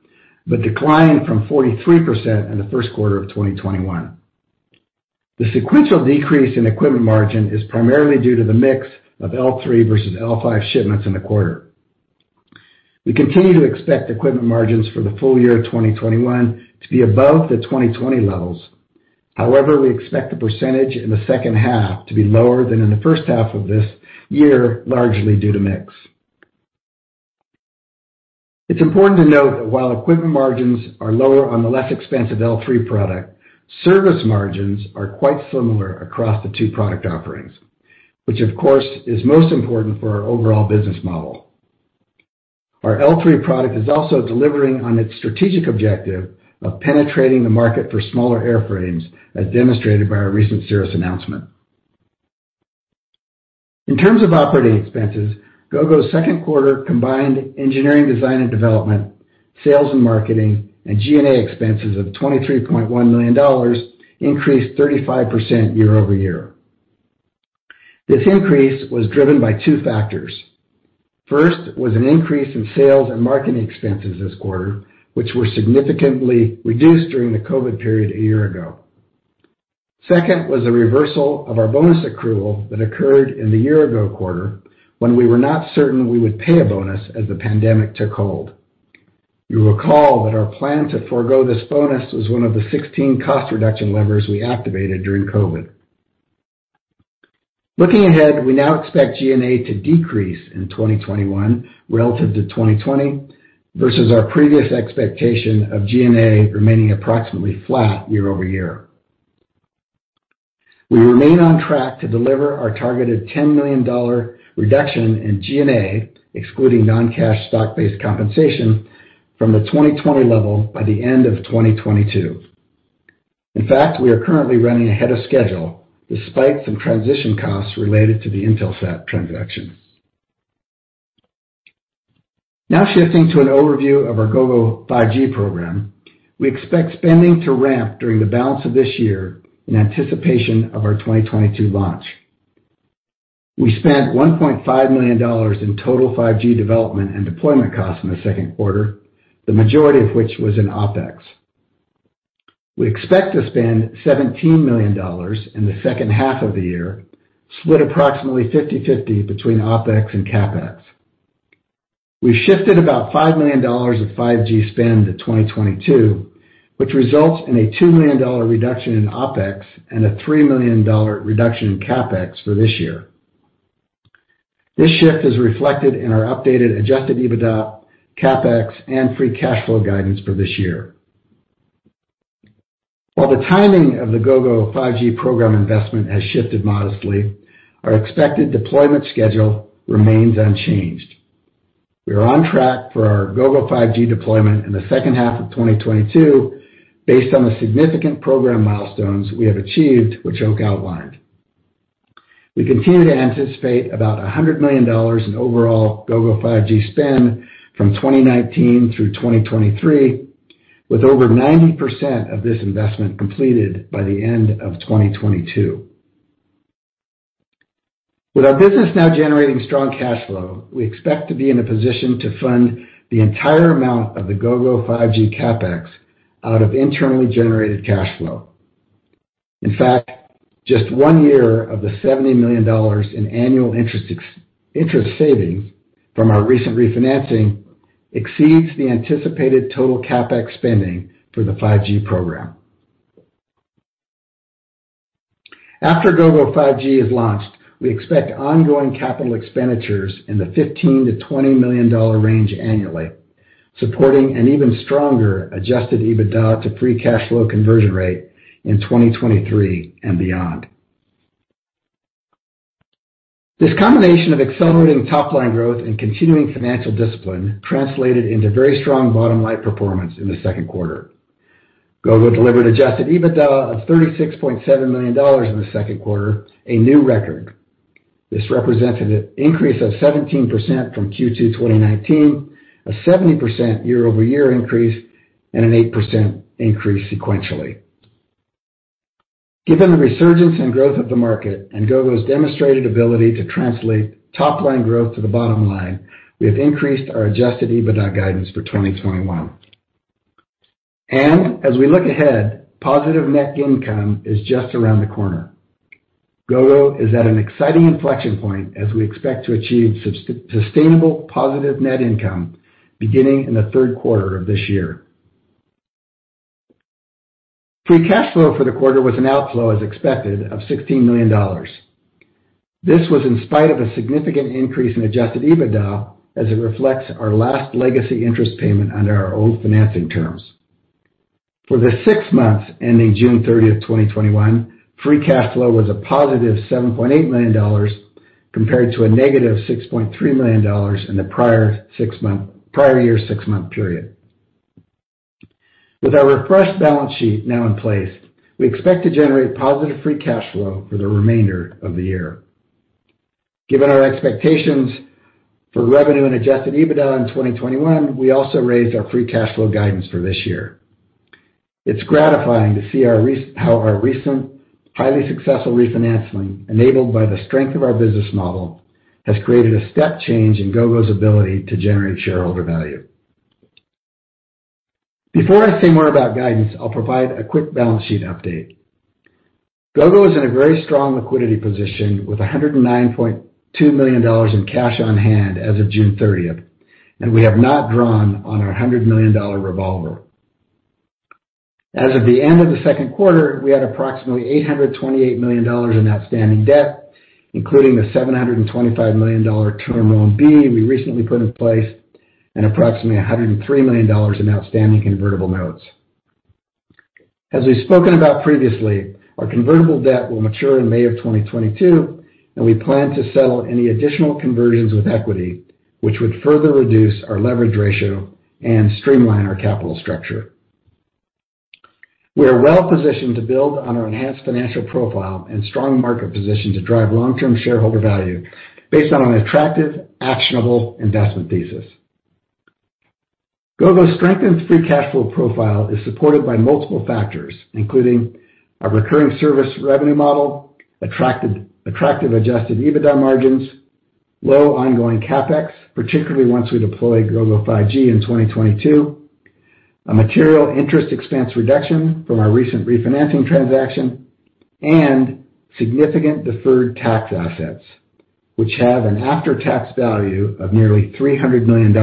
but declined from 43% in the first quarter of 2021. The sequential decrease in equipment margin is primarily due to the mix of L3 versus L5 shipments in the quarter. We continue to expect equipment margins for the full year 2021 to be above the 2020 levels. We expect the percentage in the second half to be lower than in the first half of this year, largely due to mix. It's important to note that while equipment margins are lower on the less expensive L3 product, service margins are quite similar across the two product offerings, which of course is most important for our overall business model. Our L3 product is also delivering on its strategic objective of penetrating the market for smaller airframes, as demonstrated by our recent Cirrus announcement. In terms of operating expenses, Gogo's second quarter combined engineering, design and development, sales and marketing, and G&A expenses of $23.1 million increased 35% year-over-year. This increase was driven by two factors. First was an increase in sales and marketing expenses this quarter, which were significantly reduced during the COVID period a year ago. Second was a reversal of our bonus accrual that occurred in the year-ago quarter when we were not certain we would pay a bonus as the pandemic took hold. You'll recall that our plan to forgo this bonus was one of the 16 cost reduction levers we activated during COVID. Looking ahead, we now expect G&A to decrease in 2021 relative to 2020, versus our previous expectation of G&A remaining approximately flat year-over-year. We remain on track to deliver our targeted $10 million reduction in G&A, excluding non-cash stock-based compensation from the 2020 level by the end of 2022. In fact, we are currently running ahead of schedule despite some transition costs related to the Intelsat transaction. Now shifting to an overview of our Gogo 5G program. We expect spending to ramp during the balance of this year in anticipation of our 2022 launch. We spent $1.5 million in total 5G development and deployment costs in the second quarter, the majority of which was in OpEx. We expect to spend $17 million in the second half of the year, split approximately 50/50 between OpEx and CapEx. We shifted about $5 million of 5G spend to 2022, which results in a $2 million reduction in OpEx and a $3 million reduction in CapEx for this year. This shift is reflected in our updated adjusted EBITDA, CapEx, and free cash flow guidance for this year. While the timing of the Gogo 5G program investment has shifted modestly, our expected deployment schedule remains unchanged. We are on track for our Gogo 5G deployment in the second half of 2022 based on the significant program milestones we have achieved, which Oak outlined. We continue to anticipate about $100 million in overall Gogo 5G spend from 2019 through 2023, with over 90% of this investment completed by the end of 2022. With our business now generating strong cash flow, we expect to be in a position to fund the entire amount of the Gogo 5G CapEx out of internally generated cash flow. In fact, just one year of the $70 million in annual interest savings from our recent refinancing exceeds the anticipated total CapEx spending for the 5G program. After Gogo 5G is launched, we expect ongoing capital expenditures in the $15 million-$20 million range annually, supporting an even stronger adjusted EBITDA to free cash flow conversion rate in 2023 and beyond. This combination of accelerating top-line growth and continuing financial discipline translated into very strong bottom-line performance in the second quarter. Gogo delivered adjusted EBITDA of $36.7 million in the second quarter, a new record. This represented an increase of 17% from Q2 2019, a 70% year-over-year increase, and an 8% increase sequentially. Given the resurgence in growth of the market and Gogo's demonstrated ability to translate top-line growth to the bottom line, we have increased our adjusted EBITDA guidance for 2021. As we look ahead, positive net income is just around the corner. Gogo is at an exciting inflection point as we expect to achieve sustainable positive net income beginning in the third quarter of this year. Free cash flow for the quarter was an outflow, as expected, of $16 million. This was in spite of a significant increase in adjusted EBITDA as it reflects our last legacy interest payment under our old financing terms. For the six months ending June 30th, 2021, free cash flow was a positive $7.8 million, compared to a negative $6.3 million in the prior year six-month period. With our refreshed balance sheet now in place, we expect to generate positive free cash flow for the remainder of the year. Given our expectations for revenue and adjusted EBITDA in 2021, we also raised our free cash flow guidance for this year. It's gratifying to see how our recent highly successful refinancing, enabled by the strength of our business model, has created a step change in Gogo's ability to generate shareholder value. Before I say more about guidance, I'll provide a quick balance sheet update. Gogo is in a very strong liquidity position with $109.2 million in cash on hand as of June 30th, and we have not drawn on our $100 million revolver. As of the end of the second quarter, we had approximately $828 million in outstanding debt, including the $725 million term loan B we recently put in place, and approximately $103 million in outstanding convertible notes. As we've spoken about previously, our convertible debt will mature in May of 2022, we plan to settle any additional conversions with equity, which would further reduce our leverage ratio and streamline our capital structure. We are well-positioned to build on our enhanced financial profile and strong market position to drive long-term shareholder value based on an attractive, actionable investment thesis. Gogo's strengthened free cash flow profile is supported by multiple factors, including our recurring service revenue model, attractive adjusted EBITDA margins, low ongoing CapEx, particularly once we deploy Gogo 5G in 2022, a material interest expense reduction from our recent refinancing transaction, and significant deferred tax assets, which have an after-tax value of nearly $300 million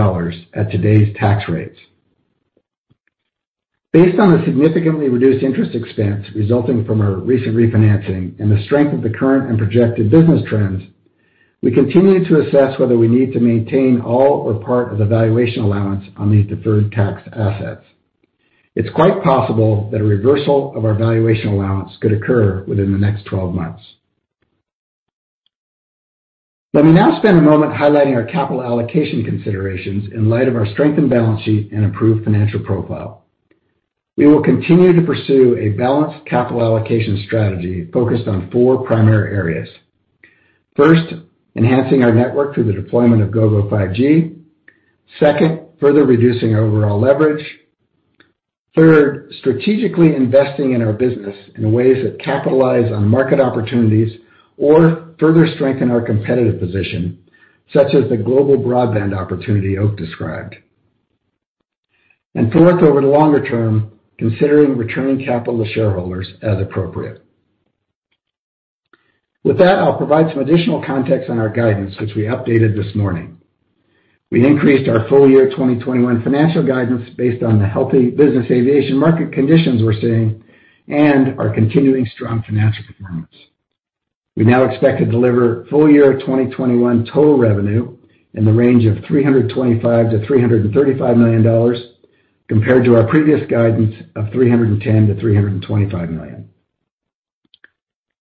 at today's tax rates. Based on the significantly reduced interest expense resulting from our recent refinancing and the strength of the current and projected business trends, we continue to assess whether we need to maintain all or part of the valuation allowance on these deferred tax assets. It's quite possible that a reversal of our valuation allowance could occur within the next 12 months. Let me now spend a moment highlighting our capital allocation considerations in light of our strengthened balance sheet and improved financial profile. We will continue to pursue a balanced capital allocation strategy focused on four primary areas. First, enhancing our network through the deployment of Gogo 5G. Second, further reducing overall leverage. Third, strategically investing in our business in ways that capitalize on market opportunities or further strengthen our competitive position, such as the global broadband opportunity Oak described. Fourth, over the longer term, considering returning capital to shareholders as appropriate. With that, I'll provide some additional context on our guidance, which we updated this morning. We increased our full year 2021 financial guidance based on the healthy business aviation market conditions we're seeing and our continuing strong financial performance. We now expect to deliver full year 2021 total revenue in the range of $325 million-$335 million, compared to our previous guidance of $310 million-$325 million.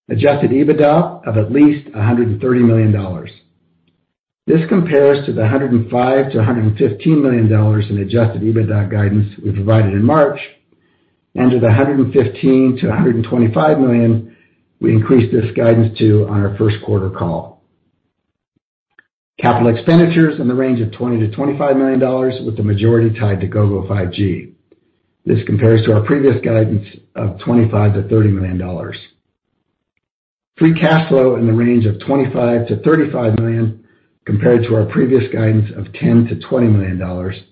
Adjusted EBITDA of at least $130 million. This compares to the $105 million-$115 million in adjusted EBITDA guidance we provided in March, and to the $115 million-$125 million we increased this guidance to on our first quarter call. Capital expenditures in the range of $20 million-$25 million with the majority tied to Gogo 5G. This compares to our previous guidance of $25 million-$30 million. Free cash flow in the range of $25 million-$35 million, compared to our previous guidance of $10 million-$20 million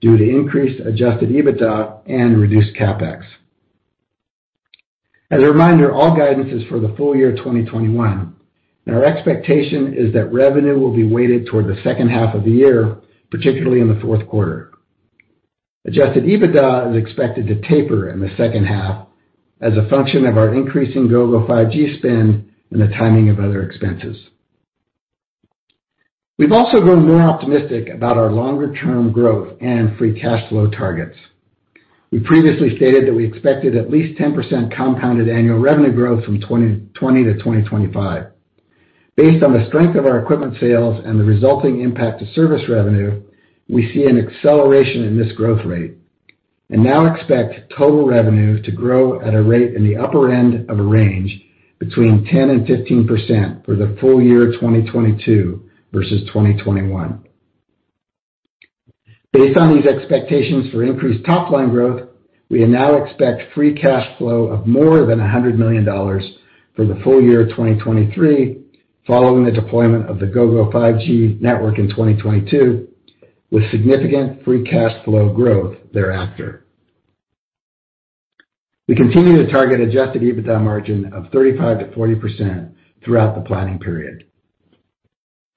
due to increased adjusted EBITDA and reduced CapEx. As a reminder, all guidance is for the full year 2021, and our expectation is that revenue will be weighted toward the second half of the year, particularly in the fourth quarter. Adjusted EBITDA is expected to taper in the second half as a function of our increasing Gogo 5G spend and the timing of other expenses. We've also grown more optimistic about our longer-term growth and free cash flow targets. We previously stated that we expected at least 10% compounded annual revenue growth from 2020 to 2025. Based on the strength of our equipment sales and the resulting impact to service revenue, we see an acceleration in this growth rate and now expect total revenue to grow at a rate in the upper end of a range between 10% and 15% for the full year 2022 versus 2021. Based on these expectations for increased top-line growth, we now expect free cash flow of more than $100 million for the full year 2023, following the deployment of the Gogo 5G network in 2022, with significant free cash flow growth thereafter. We continue to target adjusted EBITDA margin of 35%-40% throughout the planning period.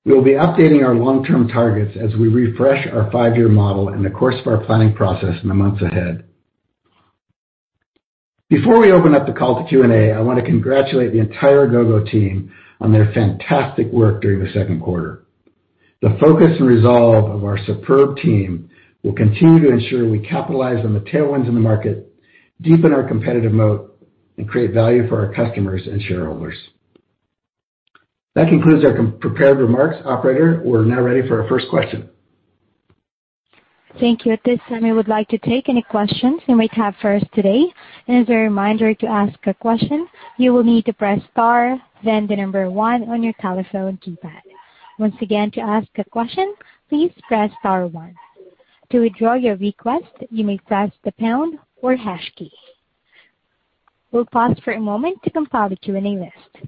We will be updating our long-term targets as we refresh our five-year model in the course of our planning process in the months ahead. Before we open up the call to Q&A, I want to congratulate the entire Gogo team on their fantastic work during the second quarter. The focus and resolve of our superb team will continue to ensure we capitalize on the tailwinds in the market, deepen our competitive moat, and create value for our customers and shareholders. That concludes our prepared remarks. Operator, we are now ready for our first question. Thank you. At this time, we would like to take any questions you might have for us today. As a reminder, to ask a question, you will need to press star, then the number one on your telephone keypad. Once again, to ask a question, please press star one. To withdraw your request, you may press the pound or hash key. We'll pause for a moment to compile the Q&A list.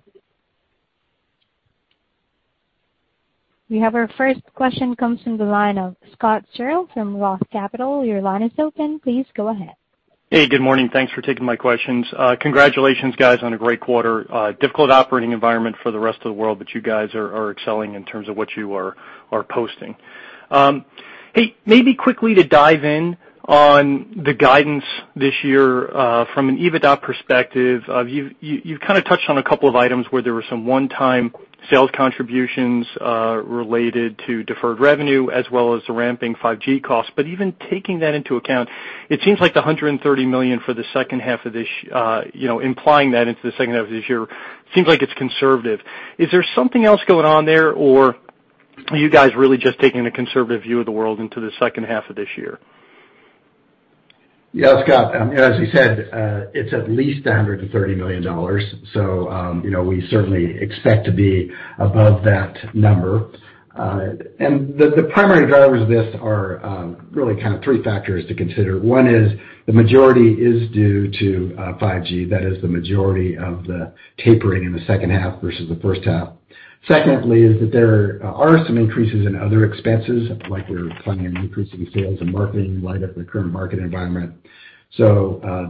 We have our first question comes from the line of Scott Searle from Roth Capital. Your line is open. Please go ahead. Hey, good morning. Thanks for taking my questions. Congratulations, guys, on a great quarter. Difficult operating environment for the rest of the world, you guys are excelling in terms of what you are posting. Hey, maybe quickly to dive in on the guidance this year from an EBITDA perspective. You've kind of touched on a couple of items where there were some one-time sales contributions related to deferred revenue as well as the ramping 5G costs. Even taking that into account, it seems like the $130 million implying that into the second half of this year seems like it's conservative. Is there something else going on there or are you guys really just taking a conservative view of the world into the second half of this year? Yeah, Scott, as you said, it's at least $130 million. We certainly expect to be above that number. The primary drivers of this are really kind of three factors to consider. One is the majority is due to 5G. That is the majority of the tapering in the second half versus the first half. Secondly, is that there are some increases in other expenses, like we're planning an increase in sales and marketing in light of the current market environment.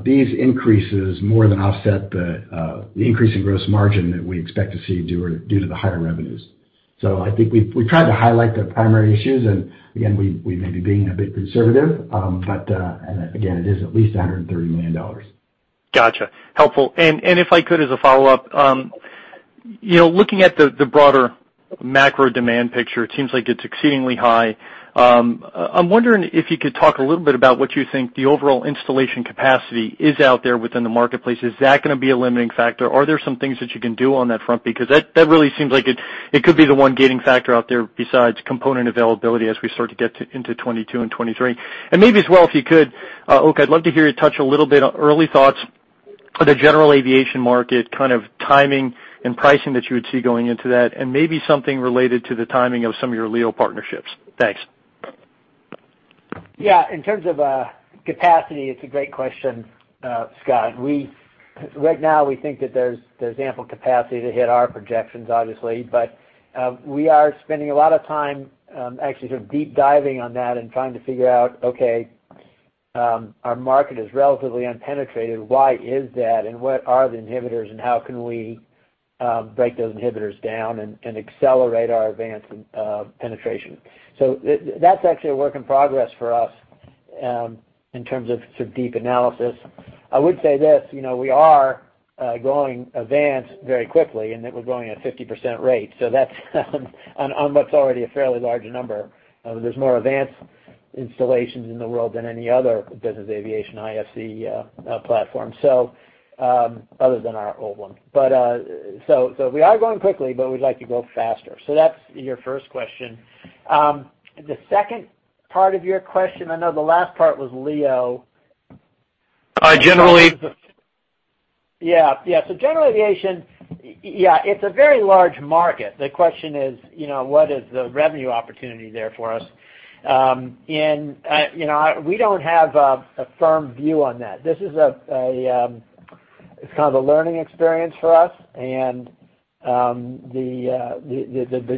These increases more than offset the increase in gross margin that we expect to see due to the higher revenues. I think we've tried to highlight the primary issues, and again, we may be being a bit conservative. Again, it is at least $130 million. Got you. Helpful. If I could, as a follow-up, looking at the broader macro demand picture, it seems like it's exceedingly high. I'm wondering if you could talk a little bit about what you think the overall installation capacity is out there within the marketplace. Is that going to be a limiting factor? Are there some things that you can do on that front? That really seems like it could be the one gating factor out there besides component availability as we start to get into 2022 and 2023. Maybe as well, if you could, Oak, I'd love to hear you touch a little bit on early thoughts, the general aviation market, kind of timing and pricing that you would see going into that, and maybe something related to the timing of some of your LEO partnerships. Thanks. Yeah. In terms of capacity, it's a great question, Scott. Right now, we think that there's ample capacity to hit our projections, obviously. We are spending a lot of time, actually sort of deep diving on that and trying to figure out, okay, our market is relatively unpenetrated. Why is that? What are the inhibitors? How can we break those inhibitors down and accelerate our AVANCE penetration? That's actually a work in progress for us, in terms of deep analysis. I would say this, we are growing AVANCE very quickly, and that we're growing at a 50% rate. That's on what's already a fairly large number. There's more AVANCE installations in the world than any other business aviation IFC platform. Other than our old one. We are growing quickly, but we'd like to grow faster. That's your first question. The second part of your question, I know the last part was LEO. Generally. General aviation, it's a very large market. The question is, what is the revenue opportunity there for us? We don't have a firm view on that. This is, it's kind of a learning experience for us. The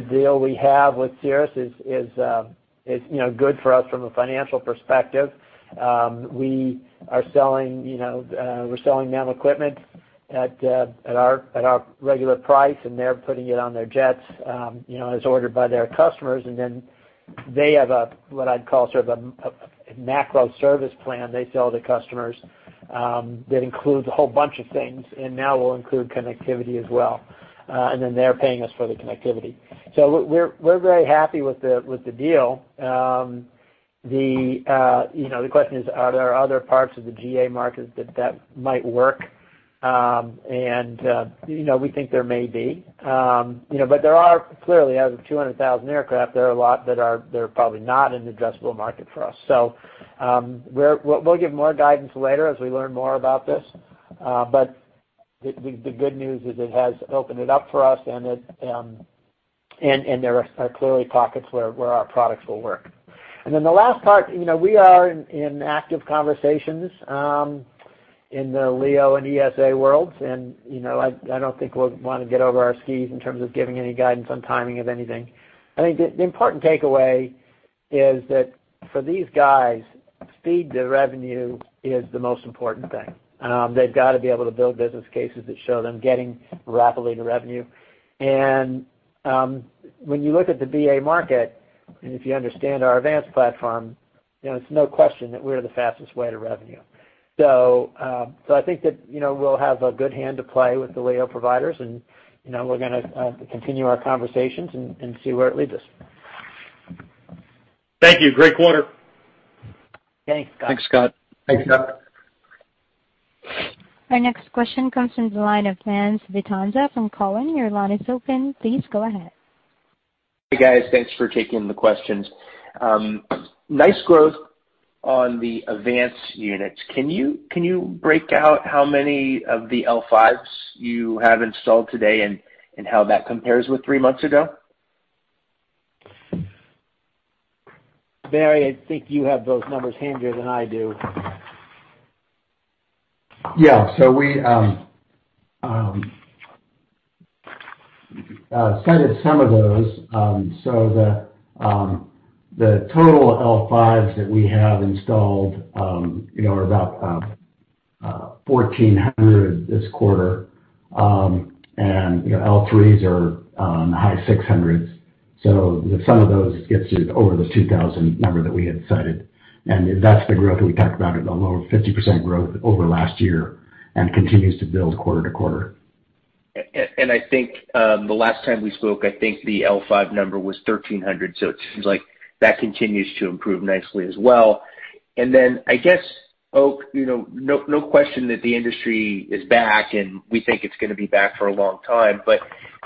deal we have with Cirrus is good for us from a financial perspective. We're selling them equipment at our regular price. They're putting it on their jets, as ordered by their customers. They have what I'd call sort of a macro service plan they sell to customers, that includes a whole bunch of things, and now will include connectivity as well. They're paying us for the connectivity. We're very happy with the deal. The question is, are there other parts of the GA markets that might work? We think there may be. There are clearly, out of 200,000 aircraft, there are a lot that are probably not an addressable market for us. We'll give more guidance later as we learn more about this. The good news is it has opened it up for us, and there are clearly pockets where our products will work. The last part, we are in active conversations, in the LEO and ESA worlds. I don't think we'll want to get over our skis in terms of giving any guidance on timing of anything. The important takeaway is that for these guys, speed to revenue is the most important thing. They've got to be able to build business cases that show them getting rapidly to revenue. When you look at the BA market, and if you understand our AVANCE platform, it's no question that we're the fastest way to revenue. I think that we'll have a good hand to play with the LEO providers, and we're going to continue our conversations and see where it leads us. Thank you. Great quarter. Thanks, Scott. Thanks, Scott. Our next question comes from the line of Lance Vitanza from Cowen. Your line is open. Please go ahead. Hey, guys. Thanks for taking the questions. Nice growth on the AVANCE units. Can you break out how many of the AVANCE L5s you have installed today, and how that compares with three months ago? Barry, I think you have those numbers handier than I do. Yeah. We cited some of those. The total L5s that we have installed are about 1,400 this quarter. L3s are in the high 600s. The sum of those gets you over the 2,000 number that we had cited, and that's the growth we talked about, the 50% growth over last year, and continues to build quarter to quarter. I think the last time we spoke, I think the L5 number was 1,300, so it seems like that continues to improve nicely as well. I guess-Oak, no question that the industry is back, and we think it's going to be back for a long time.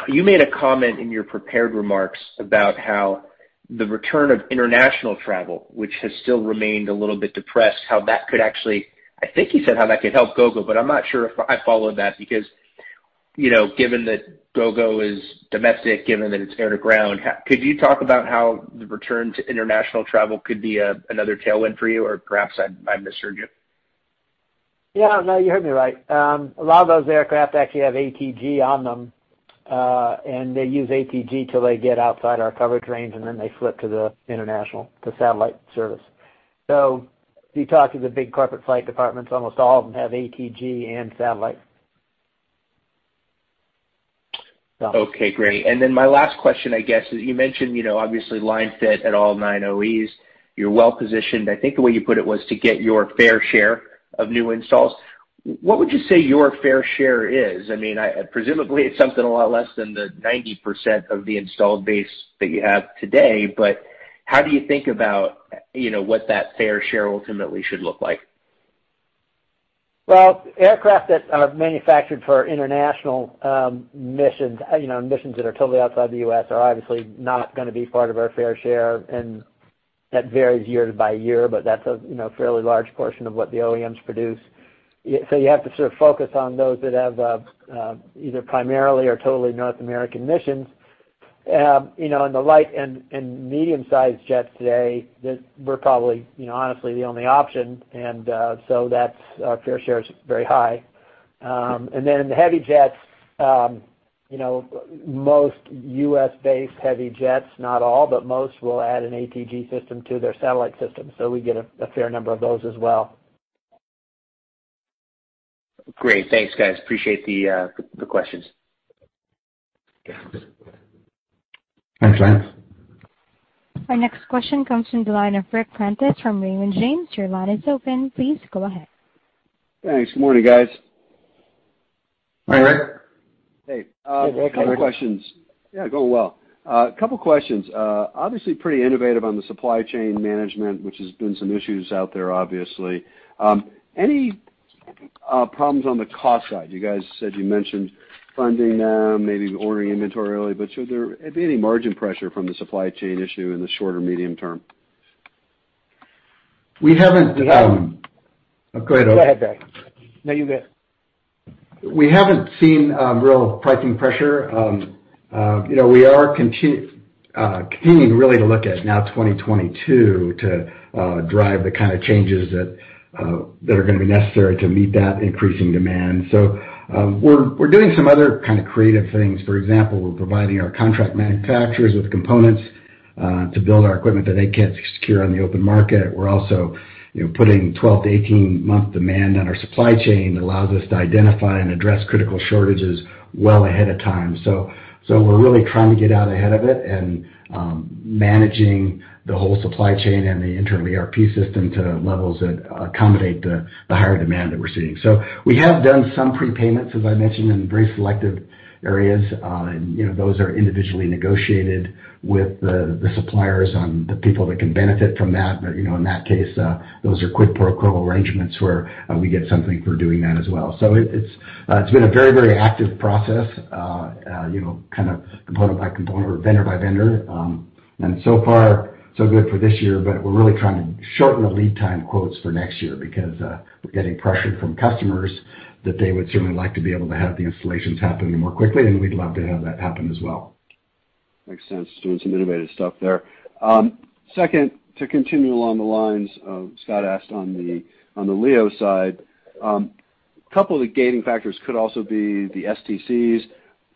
You made a comment in your prepared remarks about how the return of international travel, which has still remained a little bit depressed, how that could actually, I think you said how that could help Gogo, but I'm not sure if I followed that because, given that Gogo is domestic, given that it's air-to-ground, could you talk about how the return to international travel could be another tailwind for you or perhaps I misheard you? Yeah, no, you heard me right. A lot of those aircraft actually have ATG on them, and they use ATG till they get outside our coverage range, and then they flip to the international, the satellite service. If you talk to the big corporate flight departments, almost all of them have ATG and satellite. Okay, great. My last question, I guess, is you mentioned, obviously line fit at all nine OEMs. You're well-positioned. I think the way you put it was to get your fair share of new installs. What would you say your fair share is? Presumably it's something a lot less than the 90% of the installed base that you have today. How do you think about what that fair share ultimately should look like? Well, aircraft that are manufactured for international missions that are totally outside the U.S., are obviously not going to be part of our fair share, and that varies year by year, but that's a fairly large portion of what the OEMs produce. You have to sort of focus on those that have either primarily or totally North American missions. In the light and medium-sized jets today, we're probably, honestly, the only option, and so our fair share is very high. In the heavy jets, most U.S.-based heavy jets, not all, but most will add an ATG system to their satellite system. We get a fair number of those as well. Great. Thanks, guys. Appreciate the questions. Thanks. Our next question comes from the line of Ric Prentiss from Raymond James. Your line is open. Please go ahead. Thanks. Morning, guys. Hi, Ric. Hey. Hey, Ric. How are you? A couple of questions. Yeah, going well. A couple questions. Obviously pretty innovative on the supply chain management, which has been some issues out there, obviously. Any problems on the cost side? You guys said you mentioned funding them, maybe ordering inventory early, but should there be any margin pressure from the supply chain issue in the short or medium term? We haven't- Go ahead. Go ahead, Oak. Go ahead, Ric. No, you're good. We haven't seen real pricing pressure. We are continuing really to look at now 2022 to drive the kind of changes that are going to be necessary to meet that increasing demand. We're doing some other kind of creative things. For example, we're providing our contract manufacturers with components to build our equipment that they can't secure on the open market. We're also putting 12- to 18-month demand on our supply chain that allows us to identify and address critical shortages well ahead of time. We're really trying to get out ahead of it and managing the whole supply chain and the internal ERP system to levels that accommodate the higher demand that we're seeing. We have done some prepayments, as I mentioned, in very selective areas. Those are individually negotiated with the suppliers on the people that can benefit from that. In that case, those are quid pro quo arrangements where we get something for doing that as well. It's been a very active process component by component or vendor by vendor. So far, so good for this year, but we're really trying to shorten the lead time quotes for next year because we're getting pressure from customers that they would certainly like to be able to have the installations happen more quickly, and we'd love to have that happen as well. Makes sense. Doing some innovative stuff there. Second, to continue along the lines of, Scott asked on the LEO side, couple of the gating factors could also be the STCs.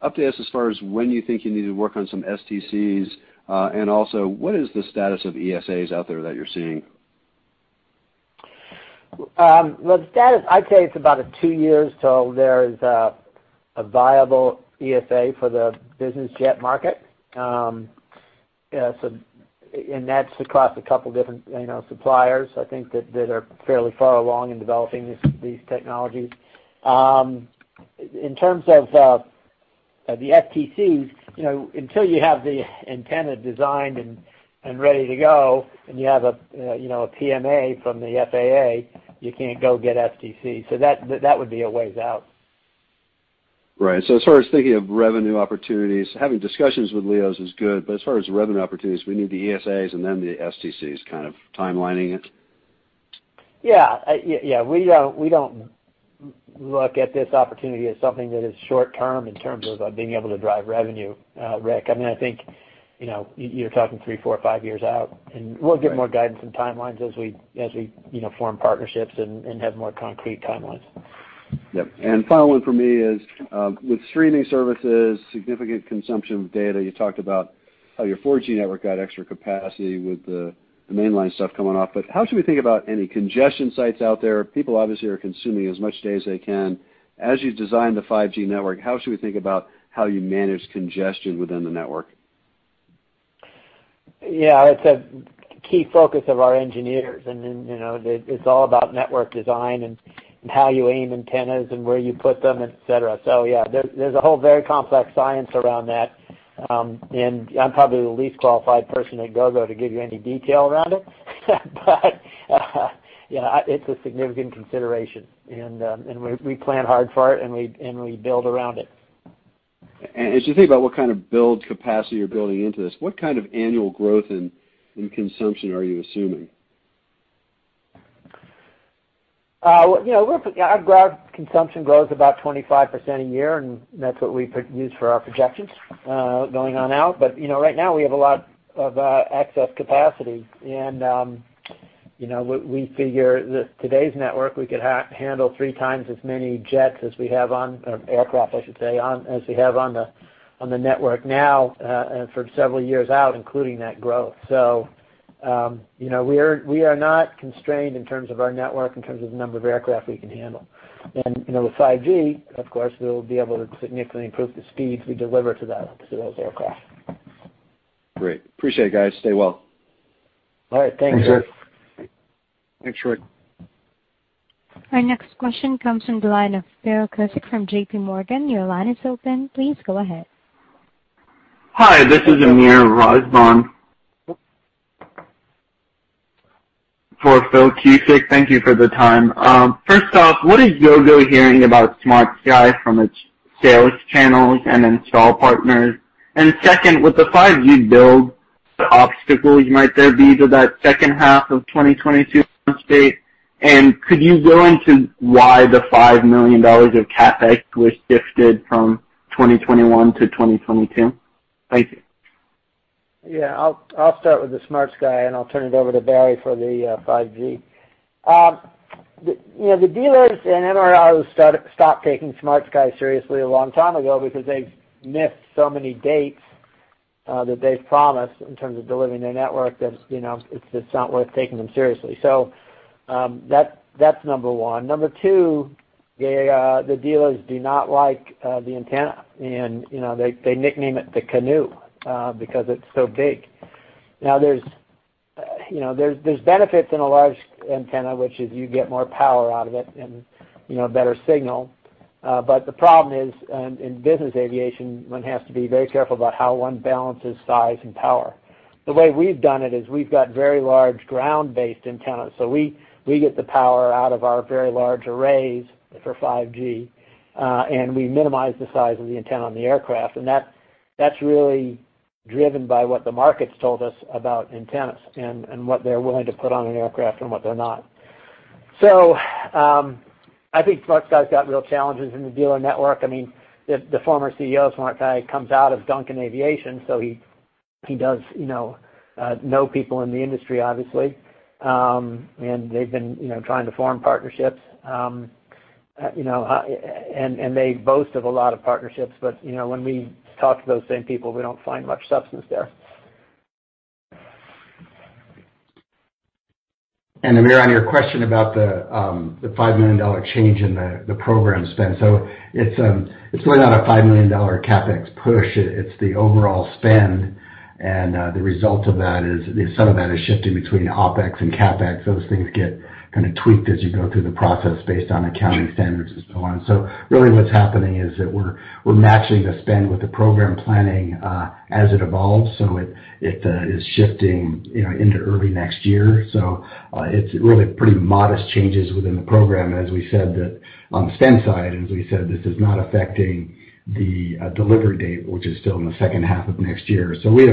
Update us as far as when you think you need to work on some STCs. Also, what is the status of ESAs out there that you're seeing? Well, the status, I'd say it's about two years till there's a viable ESA for the business jet market. That's across a couple different suppliers, I think, that are fairly far along in developing these technologies. In terms of the STCs, until you have the antenna designed and ready to go, and you have a PMA from the FAA, you can't go get STC. That would be a ways out. Right. As far as thinking of revenue opportunities, having discussions with LEOs is good, but as far as revenue opportunities, we need the ESAs and then the STCs kind of timelining it. Yeah. We don't look at this opportunity as something that is short term in terms of being able to drive revenue, Ric. I think you're talking three, four, five years out, and we'll give more guidance and timelines as we form partnerships and have more concrete timelines. Yep. Final one for me is, with streaming services, significant consumption of data, you talked about how your 4G network got extra capacity with the mainline stuff coming off. How should we think about any congestion sites out there? People obviously are consuming as much data as they can. As you design the 5G network, how should we think about how you manage congestion within the network? Yeah. It's a key focus of our engineers, and then it's all about network design and how you aim antennas and where you put them, et cetera. Yeah, there's a whole very complex science around that. I'm probably the least qualified person at Gogo to give you any detail around it. It's a significant consideration, and we plan hard for it, and we build around it. As you think about what kind of build capacity you're building into this, what kind of annual growth in consumption are you assuming? Our consumption grows about 25% a year. That's what we use for our projections going on out. Right now, we have a lot of excess capacity. We figure that today's network, we could handle three times as many aircraft, I should say, as we have on the network now for several years out, including that growth. We are not constrained in terms of our network, in terms of the number of aircraft we can handle. With 5G, of course, we'll be able to significantly improve the speeds we deliver to those aircraft. Great. Appreciate it, guys. Stay well. All right. Thanks. Thanks, Ric. Our next question comes from the line of Philip Cusick from JPMorgan. Your line is open. Please go ahead. Hi, this is Amir Razban for Philip Cusick. Thank you for the time. First off, what is Gogo hearing about SmartSky from its sales channels and install partners? Second, with the 5G build, what obstacles might there be to that second half of 2022 date? Could you go into why the $5 million of CapEx was shifted from 2021 to 2022? Thank you. Yeah, I'll start with the SmartSky, and I'll turn it over to Barry for the 5G. The dealers and MROs stopped taking SmartSky seriously a long time ago because they've missed so many dates that they've promised in terms of delivering their network that it's just not worth taking them seriously. That's number one. Number two, the dealers do not like the antenna, and they nickname it the canoe, because it's so big. There's benefits in a large antenna, which is you get more power out of it and a better signal. The problem is, in business aviation, one has to be very careful about how one balances size and power. The way we've done it is we've got very large ground-based antennas. We get the power out of our very large arrays for 5G, and we minimize the size of the antenna on the aircraft. That's really driven by what the market's told us about antennas and what they're willing to put on an aircraft and what they're not. I think SmartSky's got real challenges in the dealer network. I mean, the former CEO of SmartSky comes out of Duncan Aviation, so he does know people in the industry, obviously. They've been trying to form partnerships. They boast of a lot of partnerships, but when we talk to those same people, we don't find much substance there. Amir, on your question about the $5 million change in the program spend. It's really not a $5 million CapEx push. It's the overall spend. The result of that is some of that is shifting between OpEx and CapEx. Those things get kind of tweaked as you go through the process based on accounting standards and so on. Really what's happening is that we're matching the spend with the program planning as it evolves. It is shifting into early next year. It's really pretty modest changes within the program. On the spend side, as we said, this is not affecting the delivery date, which is still in the second half of next year. We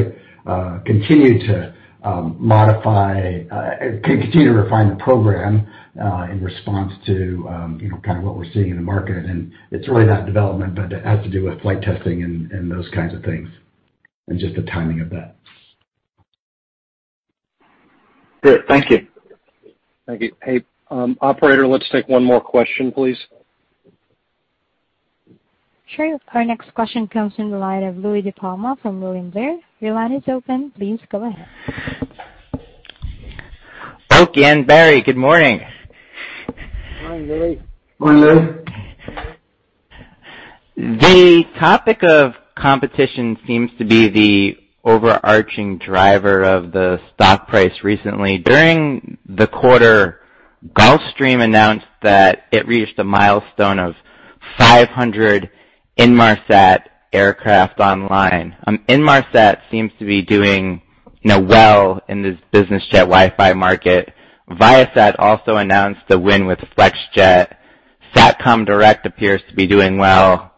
have continued to refine the program in response to what we're seeing in the market, and it's really not development, but it has to do with flight testing and those kinds of things, and just the timing of that. Great. Thank you. Thank you. Hey, operator, let's take one more question, please. Sure. Our next question comes from the line of Louie DiPalma from William Blair. Your line is open. Please go ahead. Oak and Barry, good morning. Hi, Louie. Morning, Louie. The topic of competition seems to be the overarching driver of the stock price recently. During the quarter, Gulfstream announced that it reached a milestone of 500 Inmarsat aircraft online. Inmarsat seems to be doing well in this business jet Wi-Fi market. Viasat also announced a win with Flexjet. Satcom Direct appears to be doing well.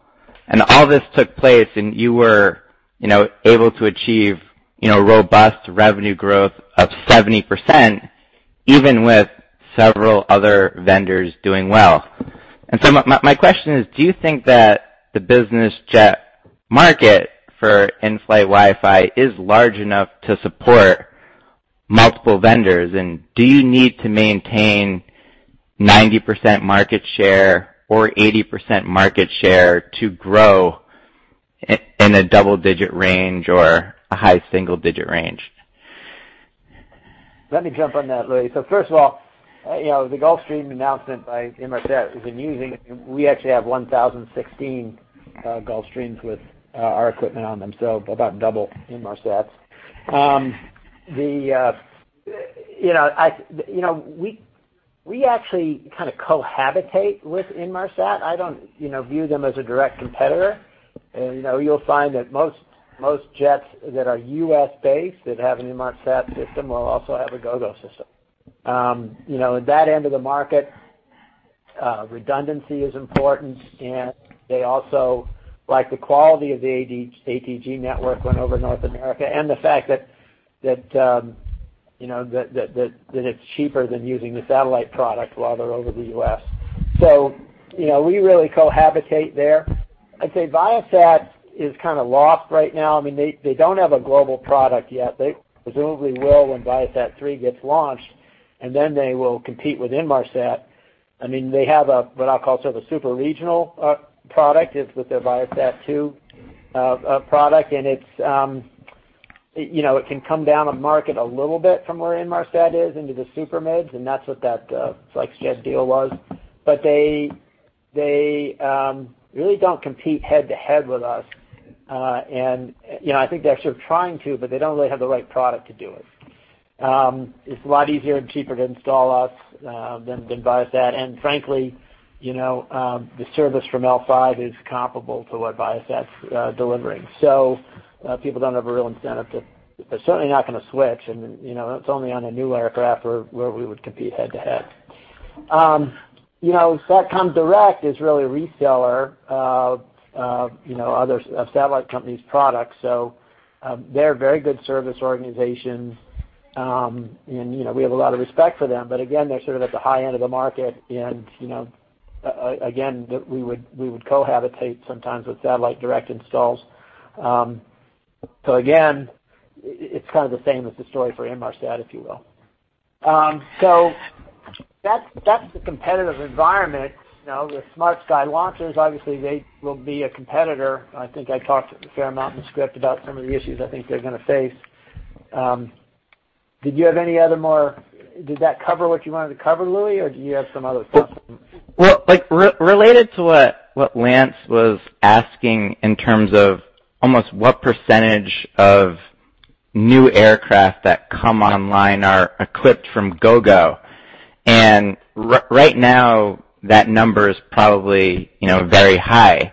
All this took place, and you were able to achieve robust revenue growth of 70%, even with several other vendors doing well. My question is, do you think that the business jet market for in-flight Wi-Fi is large enough to support multiple vendors? Do you need to maintain 90% market share or 80% market share to grow in a double-digit range or a high single-digit range? Let me jump on that, Louie. First of all, the Gulfstream announcement by Inmarsat is amusing. We actually have 1,016 Gulfstreams with our equipment on them, so about double Inmarsat's. We actually kind of cohabitate with Inmarsat. I don't view them as a direct competitor. You'll find that most jets that are U.S.-based that have an Inmarsat system will also have a Gogo system. At that end of the market, redundancy is important, and they also like the quality of the ATG network when over North America, and the fact that it's cheaper than using the satellite product while they're over the U.S. We really cohabitate there. I'd say Viasat is kind of lost right now. They don't have a global product yet. They presumably will when Viasat-3 gets launched, then they will compete with Inmarsat. They have what I'll call sort of a super regional product with their Viasat-2 product. It can come down the market a little bit from where Inmarsat is into the super mids, and that's what that Flexjet deal was. They really don't compete head-to-head with us, and I think they're sort of trying to, but they don't really have the right product to do it. It's a lot easier and cheaper to install us than Viasat. Frankly, the service from L5 is comparable to what Viasat's delivering. People don't have a real incentive. They're certainly not going to switch, and it's only on a new aircraft where we would compete head-to-head. Satcom Direct is really a reseller of other satellite companies' products. They're a very good service organization. We have a lot of respect for them, again, they're sort of at the high end of the market, again, we would cohabitate sometimes with Satcom Direct installs. Again, it's kind of the same as the story for Inmarsat, if you will. That's the competitive environment. The SmartSky launches, obviously, they will be a competitor. I think I talked a fair amount in the script about some of the issues I think they're going to face. Did that cover what you wanted to cover, Louie, or do you have some other stuff? Well, related to what Lance was asking in terms of almost what percentage of new aircraft that come online are equipped from Gogo. Right now, that number is probably very high.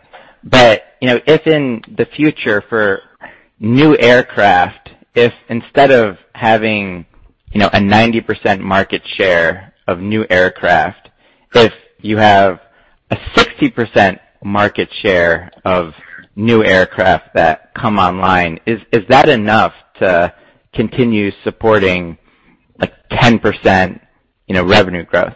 If in the future for new aircraft, if instead of having a 90% market share of new aircraft, if you have a 60% market share of new aircraft that come online, is that enough to continue supporting a 10% revenue growth?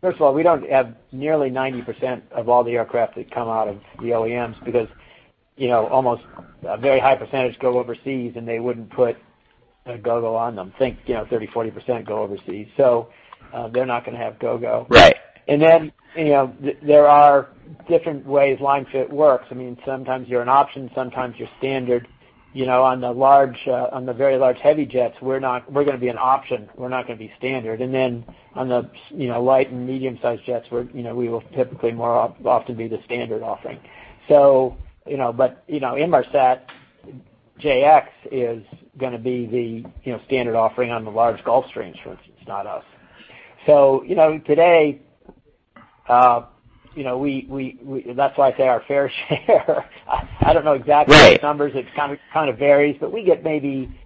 First of all, we don't have nearly 90% of all the aircraft that come out of the OEMs because almost a very high percentage go overseas, and they wouldn't put a Gogo on them. Think 30%, 40% go overseas. They're not going to have Gogo. Right. There are different ways line fit works. Sometimes you're an option, sometimes you're standard. On the very large, heavy jets, we're going to be an option. We're not going to be standard. On the light and medium-sized jets, we will typically more often be the standard offering. Inmarsat, JX is going to be the standard offering on the large Gulfstreams, for instance, not us. Today, that's why I say our fair share. I don't know exactly the numbers. Right. It kind of varies, but we get maybe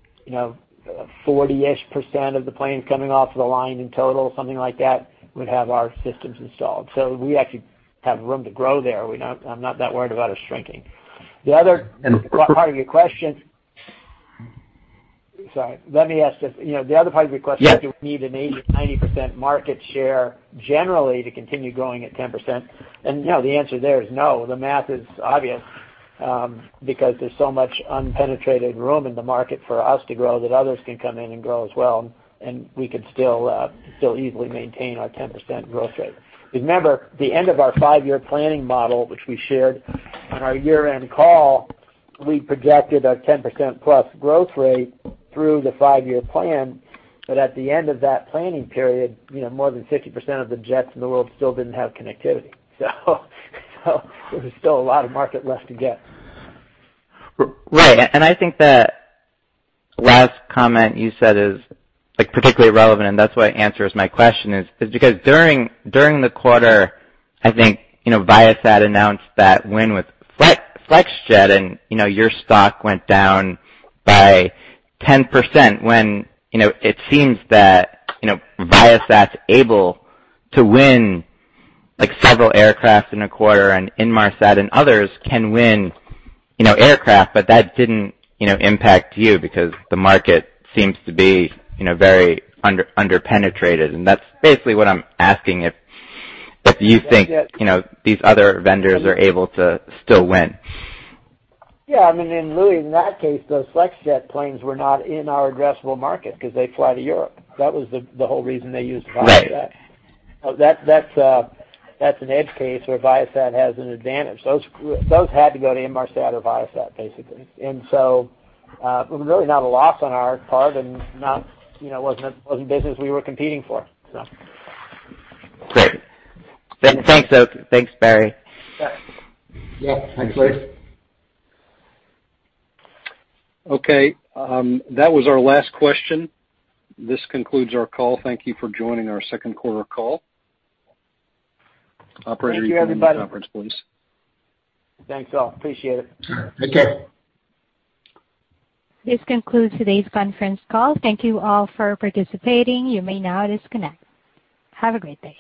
40-ish% of the planes coming off of the line in total, something like that, would have our systems installed. We actually have room to grow there. I'm not that worried about us shrinking. The other part of your question. Sorry. Yes Do we need an 80% or 90% market share generally to continue growing at 10%? No. The answer there is no. The math is obvious, because there's so much unpenetrated room in the market for us to grow that others can come in and grow as well, and we can still easily maintain our 10% growth rate. Remember, the end of our five-year planning model, which we shared on our year-end call, we projected a 10%-plus growth rate through the five-year plan. At the end of that planning period, more than 50% of the jets in the world still didn't have connectivity. There was still a lot of market left to get. Right. I think that last comment you said is particularly relevant, and that's why it answers my question is because during the quarter, I think, Viasat announced that win with Flexjet, and your stock went down by 10%, when it seems that Viasat's able to win several aircraft in a quarter, and Inmarsat and others can win aircraft, but that didn't impact you because the market seems to be very under-penetrated. That's basically what I'm asking if you think these other vendors are able to still win. Yeah. Louie, in that case, those Flexjet planes were not in our addressable market because they fly to Europe. That was the whole reason they used Viasat. Right. That's an edge case where Viasat has an advantage. Those had to go to Inmarsat or Viasat, basically. It was really not a loss on our part, and it wasn't business we were competing for. Great. Thanks, Barry. Yeah. Yeah. Thanks, Louie. Okay. That was our last question. This concludes our call. Thank you for joining our second quarter call. Thank you, everybody. Operator, you can end the conference, please. Thanks, all. Appreciate it. Take care. This concludes today's conference call. Thank you all for participating. You may now disconnect. Have a great day.